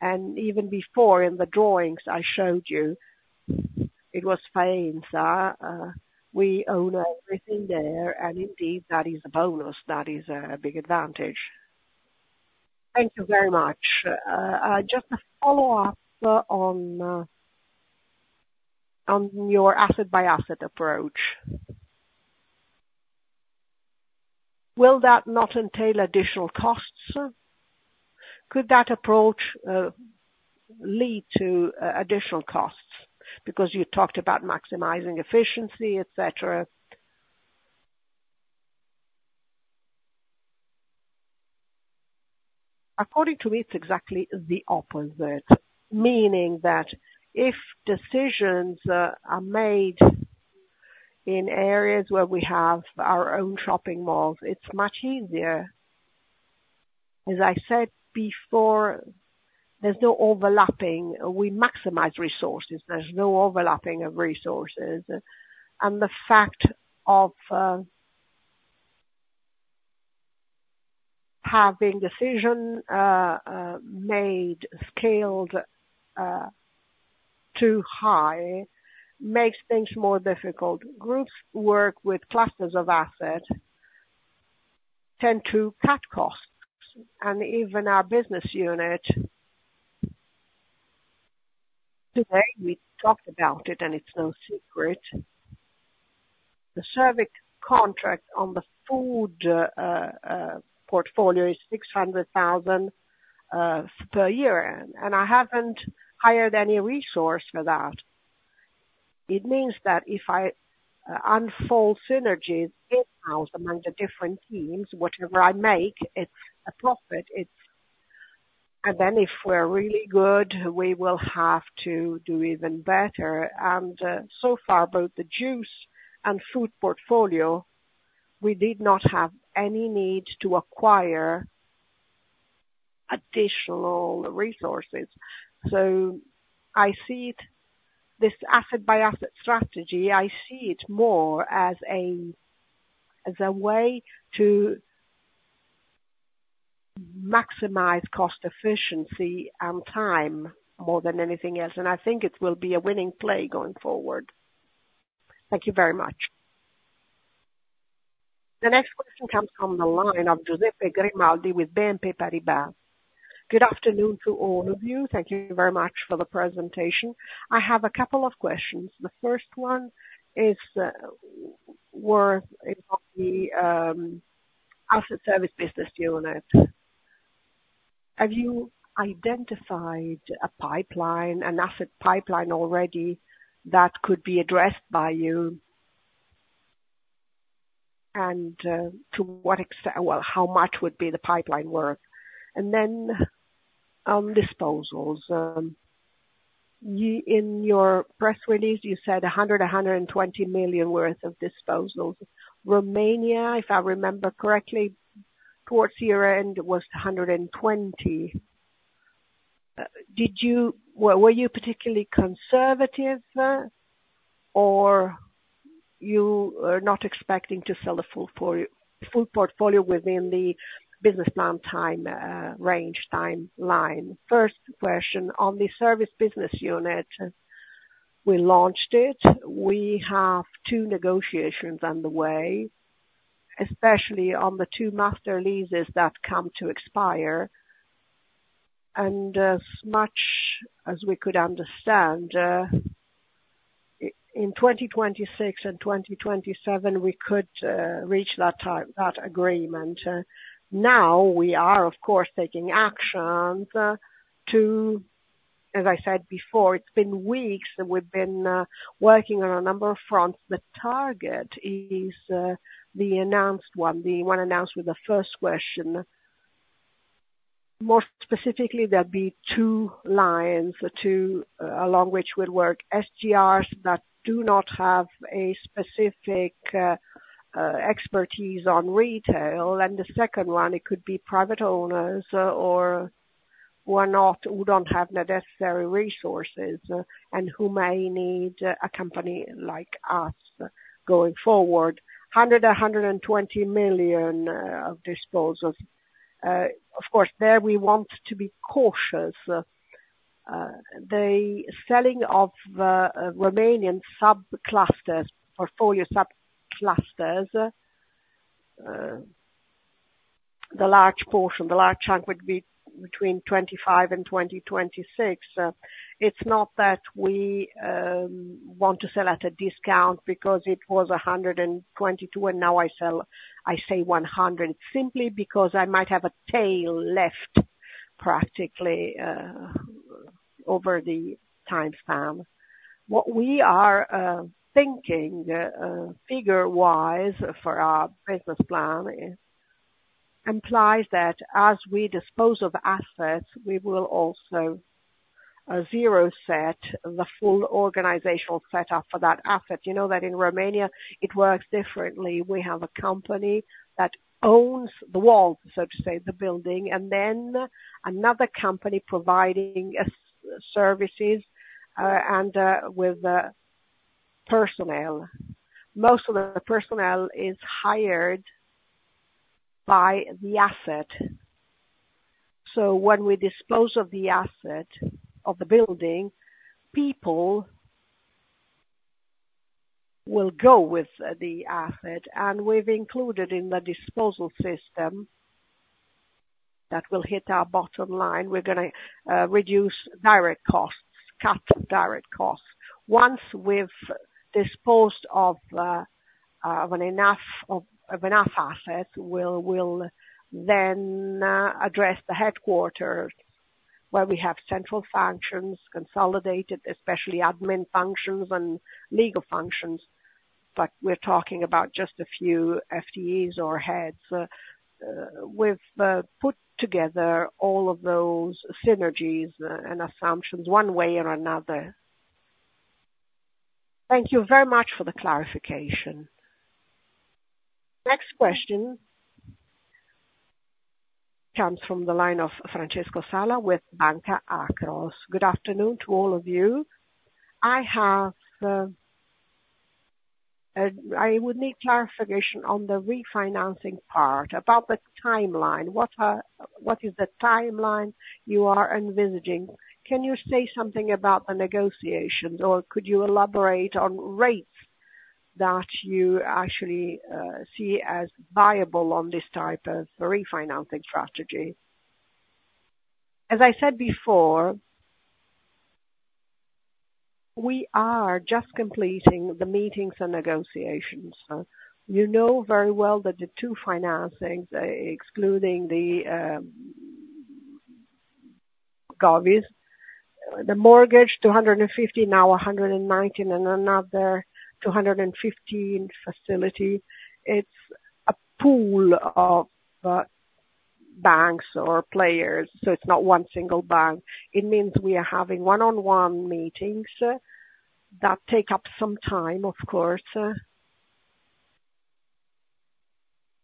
And even before in the drawings I showed you, it was Faenza. We own everything there, and indeed, that is a bonus. That is a big advantage. Thank you very much. Just a follow-up on your asset-by-asset approach. Will that not entail additional costs? Could that approach lead to additional costs? Because you talked about maximizing efficiency, etc. According to me, it's exactly the opposite. Meaning that if decisions are made in areas where we have our own shopping malls, it's much easier. As I said before, there's no overlapping. We maximize resources. There's no overlapping of resources. And the fact of having decisions made scaled too high makes things more difficult. Groups work with clusters of assets, tend to cut costs. And even our business unit, today, we talked about it, and it's no secret. The survey contract on the food portfolio is 600,000 per year. And I haven't hired any resource for that. It means that if I unfold synergies in-house among the different teams, whatever I make, it's a profit. And then if we're really good, we will have to do even better. So far, both the use and food portfolio, we did not have any need to acquire additional resources. So I see this asset-by-asset strategy, I see it more as a way to maximize cost efficiency and time more than anything else. And I think it will be a winning play going forward. Thank you very much. The next question comes from the line of Giuseppe Grimaldi with BNP Paribas. Good afternoon to all of you. Thank you very much for the presentation. I have a couple of questions. The first one is worth the asset service business unit. Have you identified an asset pipeline already that could be addressed by you? And to what extent, well, how much would be the pipeline worth? And then on disposals, in your press release, you said 100-120 million worth of disposals. Romania, if I remember correctly, towards year-end was 120 million. Were you particularly conservative, or you are not expecting to sell a full portfolio within the business plan time range timeline? First question, on the service business unit, we launched it. We have two negotiations underway, especially on the two master leases that come to expire. As much as we could understand, in 2026 and 2027, we could reach that agreement. Now, we are, of course, taking action to, as I said before, it's been weeks that we've been working on a number of fronts. The target is the announced one, the one announced with the first question. More specifically, there'll be two lines along which we'll work: SGRs that do not have a specific expertise on retail. The second one, it could be private owners who don't have the necessary resources and who may need a company like us going forward. 100-120 million of disposals. Of course, there we want to be cautious. The selling of Romanian portfolio subclusters, the large portion, the large chunk would be between 2025 and 2026. It's not that we want to sell at a discount because it was 122, and now I say 100, simply because I might have a tail left practically over the timespan. What we are thinking figure-wise for our business plan implies that as we dispose of assets, we will also zero-set the full organizational setup for that asset. You know that in Romania, it works differently. We have a company that owns the walls, so to say, the building, and then another company providing services and with personnel. Most of the personnel is hired by the asset. So when we dispose of the asset of the building, people will go with the asset. We've included in the disposal system that will hit our bottom line. We're going to reduce direct costs, cut direct costs. Once we've disposed of enough assets, we'll then address the headquarters where we have central functions consolidated, especially admin functions and legal functions. But we're talking about just a few FTEs or heads. We've put together all of those synergies and assumptions one way or another. Thank you very much for the clarification. Next question comes from the line of Francesco Sala with Banca Akros. Good afternoon to all of you. I would need clarification on the refinancing part, about the timeline. What is the timeline you are envisaging? Can you say something about the negotiations, or could you elaborate on rates that you actually see as viable on this type of refinancing strategy? As I said before, we are just completing the meetings and negotiations. You know very well that the two financings, excluding the Gavis, the mortgage 250, now 119, and another 215 facility. It's a pool of banks or players, so it's not one single bank. It means we are having one-on-one meetings that take up some time, of course.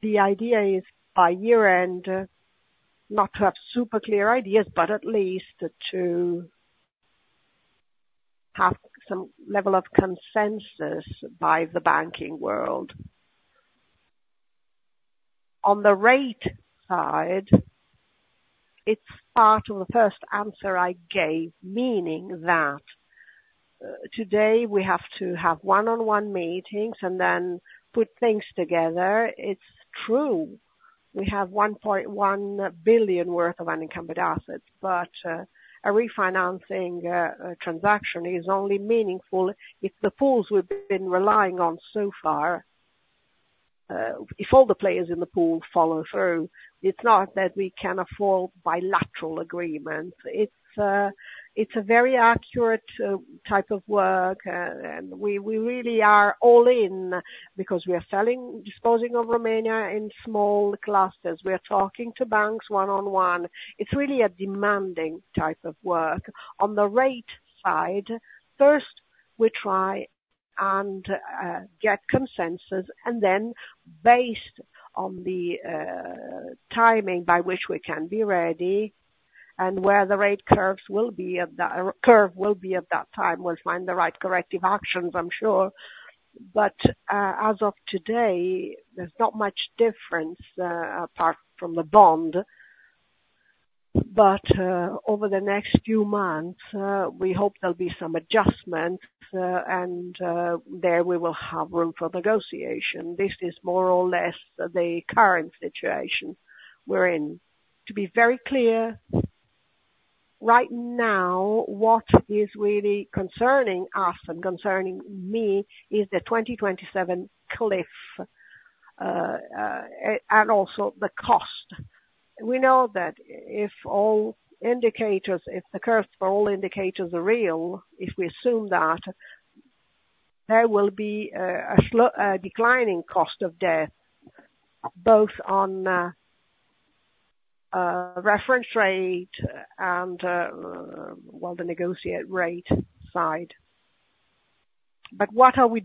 The idea is by year-end, not to have super clear ideas, but at least to have some level of consensus by the banking world. On the rate side, it's part of the first answer I gave, meaning that today we have to have one-on-one meetings and then put things together. It's true. We have 1.1 billion worth of unencumbered assets, but a refinancing transaction is only meaningful if the pools we've been relying on so far, if all the players in the pool follow through. It's not that we can't afford bilateral agreements. It's a very accurate type of work, and we really are all in because we are disposing of Romania in small clusters. We are talking to banks one-on-one. It's really a demanding type of work. On the rate side, first we try and get consensus, and then based on the timing by which we can be ready and where the rate curve will be at that time, we'll find the right corrective actions, I'm sure. But as of today, there's not much difference apart from the bond. But over the next few months, we hope there'll be some adjustments, and there we will have room for negotiation. This is more or less the current situation we're in. To be very clear, right now, what is really concerning us and concerning me is the 2027 cliff and also the cost. We know that if all indicators, if the curves for all indicators are real, if we assume that, there will be a declining cost of debt, both on reference rate and, well, the negotiate rate side. But why are we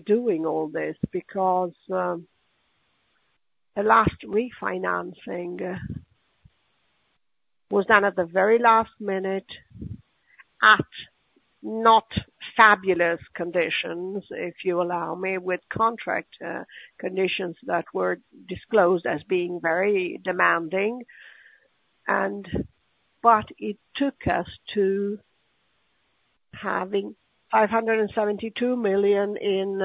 doing all this? Because the last refinancing was done at the very last minute at not fabulous conditions, if you allow me, with contract conditions that were disclosed as being very demanding. But it took us to having EUR 572 million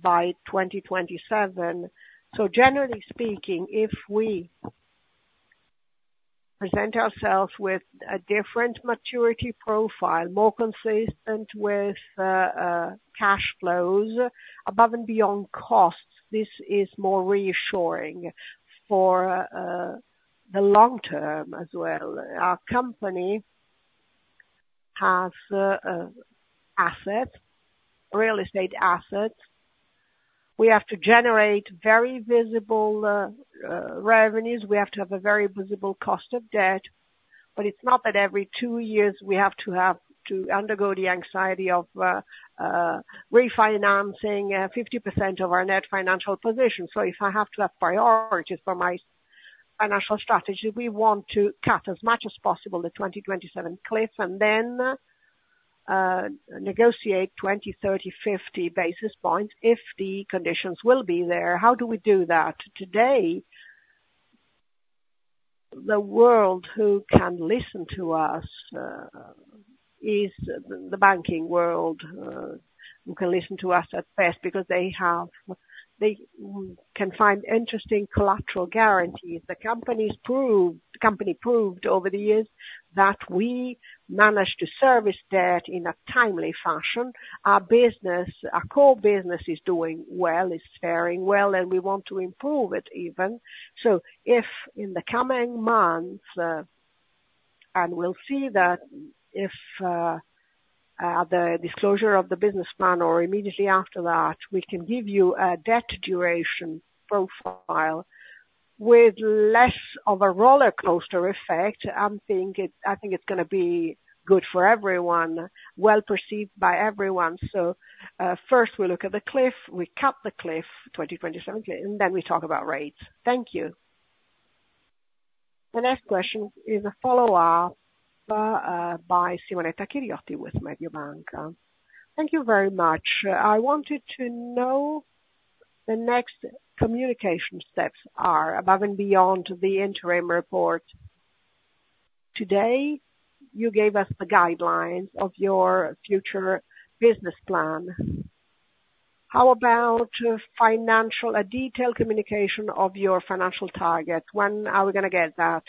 by 2027. So generally speaking, if we present ourselves with a different maturity profile, more consistent with cash flows, above and beyond costs, this is more reassuring for the long term as well. Our company has real estate assets. We have to generate very visible revenues. We have to have a very visible cost of debt. But it's not that every two years we have to undergo the anxiety of refinancing 50% of our net financial position. So if I have to have priorities for my financial strategy, we want to cut as much as possible the 2027 cliff and then negotiate 20, 30, 50 basis points if the conditions will be there. How do we do that? Today, the world who can listen to us is the banking world who can listen to us at best because they can find interesting collateral guarantees. The company proved over the years that we managed to service debt in a timely fashion. Our core business is doing well, is faring well, and we want to improve it even. So if in the coming months, and we'll see that if the disclosure of the business plan or immediately after that, we can give you a debt duration profile with less of a roller coaster effect, I think it's going to be good for everyone, well perceived by everyone. So first we look at the cliff, we cut the cliff, 2027 cliff, and then we talk about rates. Thank you. The next question is a follow-up by Simonetta Chiriotti with Mediobanca. Thank you very much. I wanted to know the next communication steps are above and beyond the interim report. Today, you gave us the guidelines of your future business plan. How about a detailed communication of your financial targets? When are we going to get that?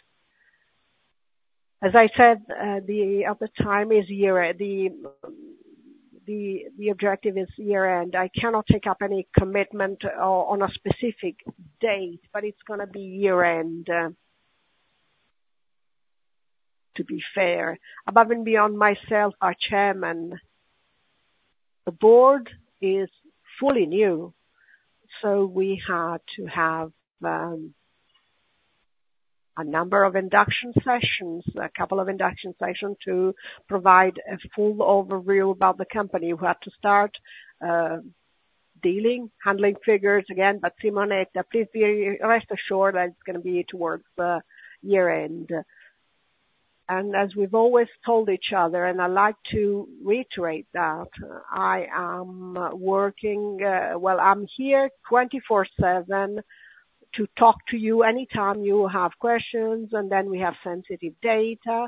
As I said, the time is year-end. The objective is year-end. I cannot take up any commitment on a specific date, but it's going to be year-end, to be fair. Above and beyond myself, our chairman, the board is fully new, so we had to have a number of induction sessions, a couple of induction sessions to provide a full overview about the company. We had to start dealing, handling figures again, but Simonetta, please be rest assured that it's going to be towards year-end. And as we've always told each other, and I like to reiterate that, I am working, well, I'm here 24/7 to talk to you anytime you have questions, and then we have sensitive data.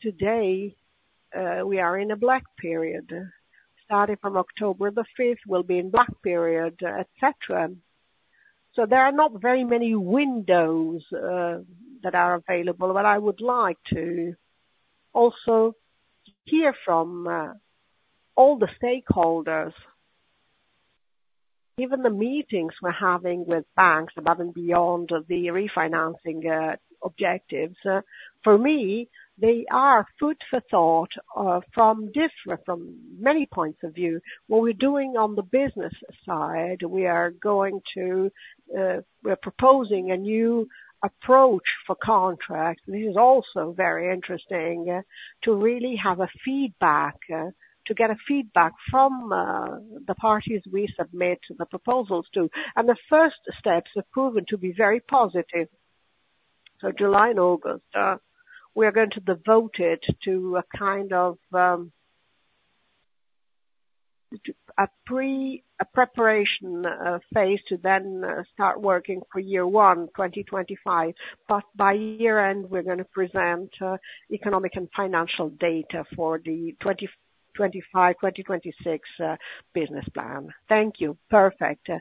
Today, we are in a blackout period. Starting from October the 5th, we'll be in blackout period, etc. So there are not very many windows that are available, but I would like to also hear from all the stakeholders, even the meetings we're having with banks above and beyond the refinancing objectives. For me, they are food for thought from many points of view. What we're doing on the business side, we are proposing a new approach for contracts. This is also very interesting to really have a feedback, to get a feedback from the parties we submit the proposals to. And the first steps have proven to be very positive. So July and August, we are going to devote it to a kind of preparation phase to then start working for year-one 2025. But by year-end, we're going to present economic and financial data for the 2025-2026 business plan. Thank you. Perfect. The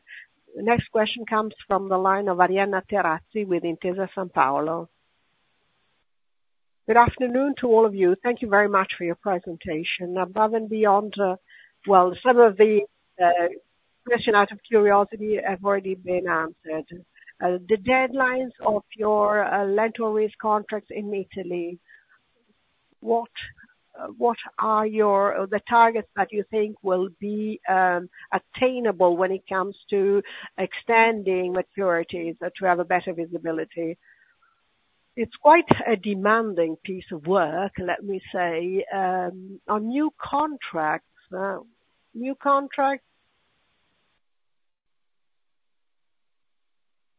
next question comes from the line of Arianna Terazzi with Intesa Sanpaolo. Good afternoon to all of you. Thank you very much for your presentation. Above and beyond, well, some of the questions out of curiosity have already been answered. The deadlines of your lease-to-lease contracts in Italy, what are the targets that you think will be attainable when it comes to extending maturities to have a better visibility? It's quite a demanding piece of work, let me say. On new contracts,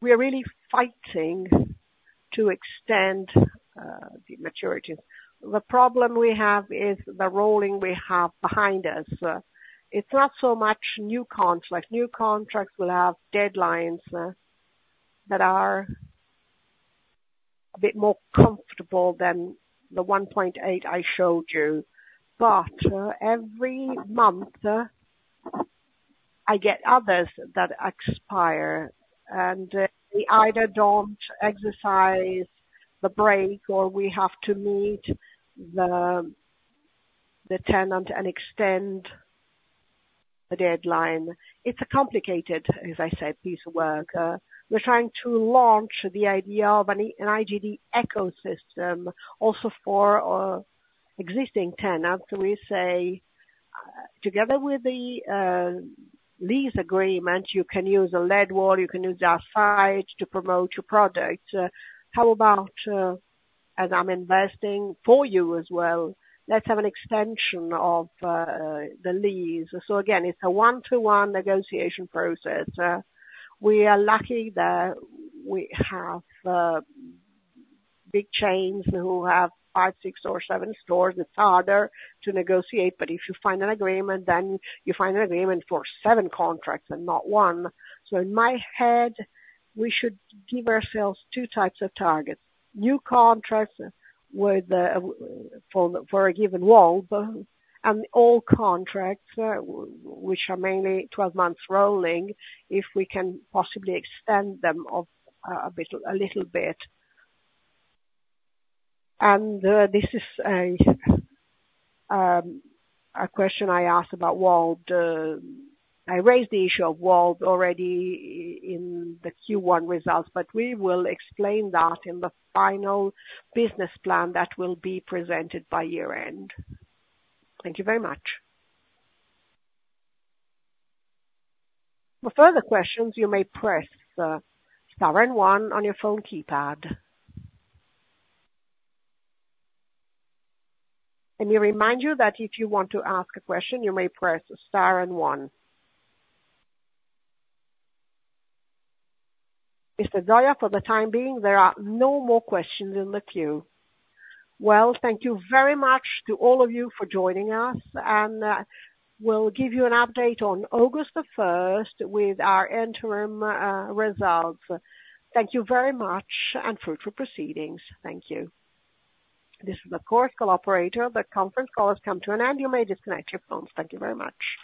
we are really fighting to extend the maturities. The problem we have is the rolling we have behind us. It's not so much new contracts. New contracts will have deadlines that are a bit more comfortable than the 1.8 I showed you. But every month, I get others that expire, and we either don't exercise the break or we have to meet the tenant and extend the deadline. It's a complicated, as I said, piece of work. We're trying to launch the idea of an IGD ecosystem also for existing tenants. We say, together with the lease agreement, you can use a LED wall, you can use our sites to promote your products. How about, as I'm investing for you as well, let's have an extension of the lease? So again, it's a one-to-one negotiation process. We are lucky that we have big chains who have five, six, or seven stores. It's harder to negotiate, but if you find an agreement, then you find an agreement for seven contracts and not one. So in my head, we should give ourselves two types of targets: new contracts for a given WALB and old contracts, which are mainly 12 months rolling, if we can possibly extend them a little bit. And this is a question I asked about WALB. I raised the issue of WALB already in the Q1 results, but we will explain that in the final business plan that will be presented by year-end. Thank you very much. For further questions, you may press star and one on your phone keypad. Let me remind you that if you want to ask a question, you may press star and one. Mr. Zoia, for the time being, there are no more questions in the queue. Well, thank you very much to all of you for joining us, and we'll give you an update on August the 1st with our interim results. Thank you very much and fruitful proceedings. Thank you. This is the conference call operator. The conference call has come to an end. You may disconnect your phones. Thank you very much.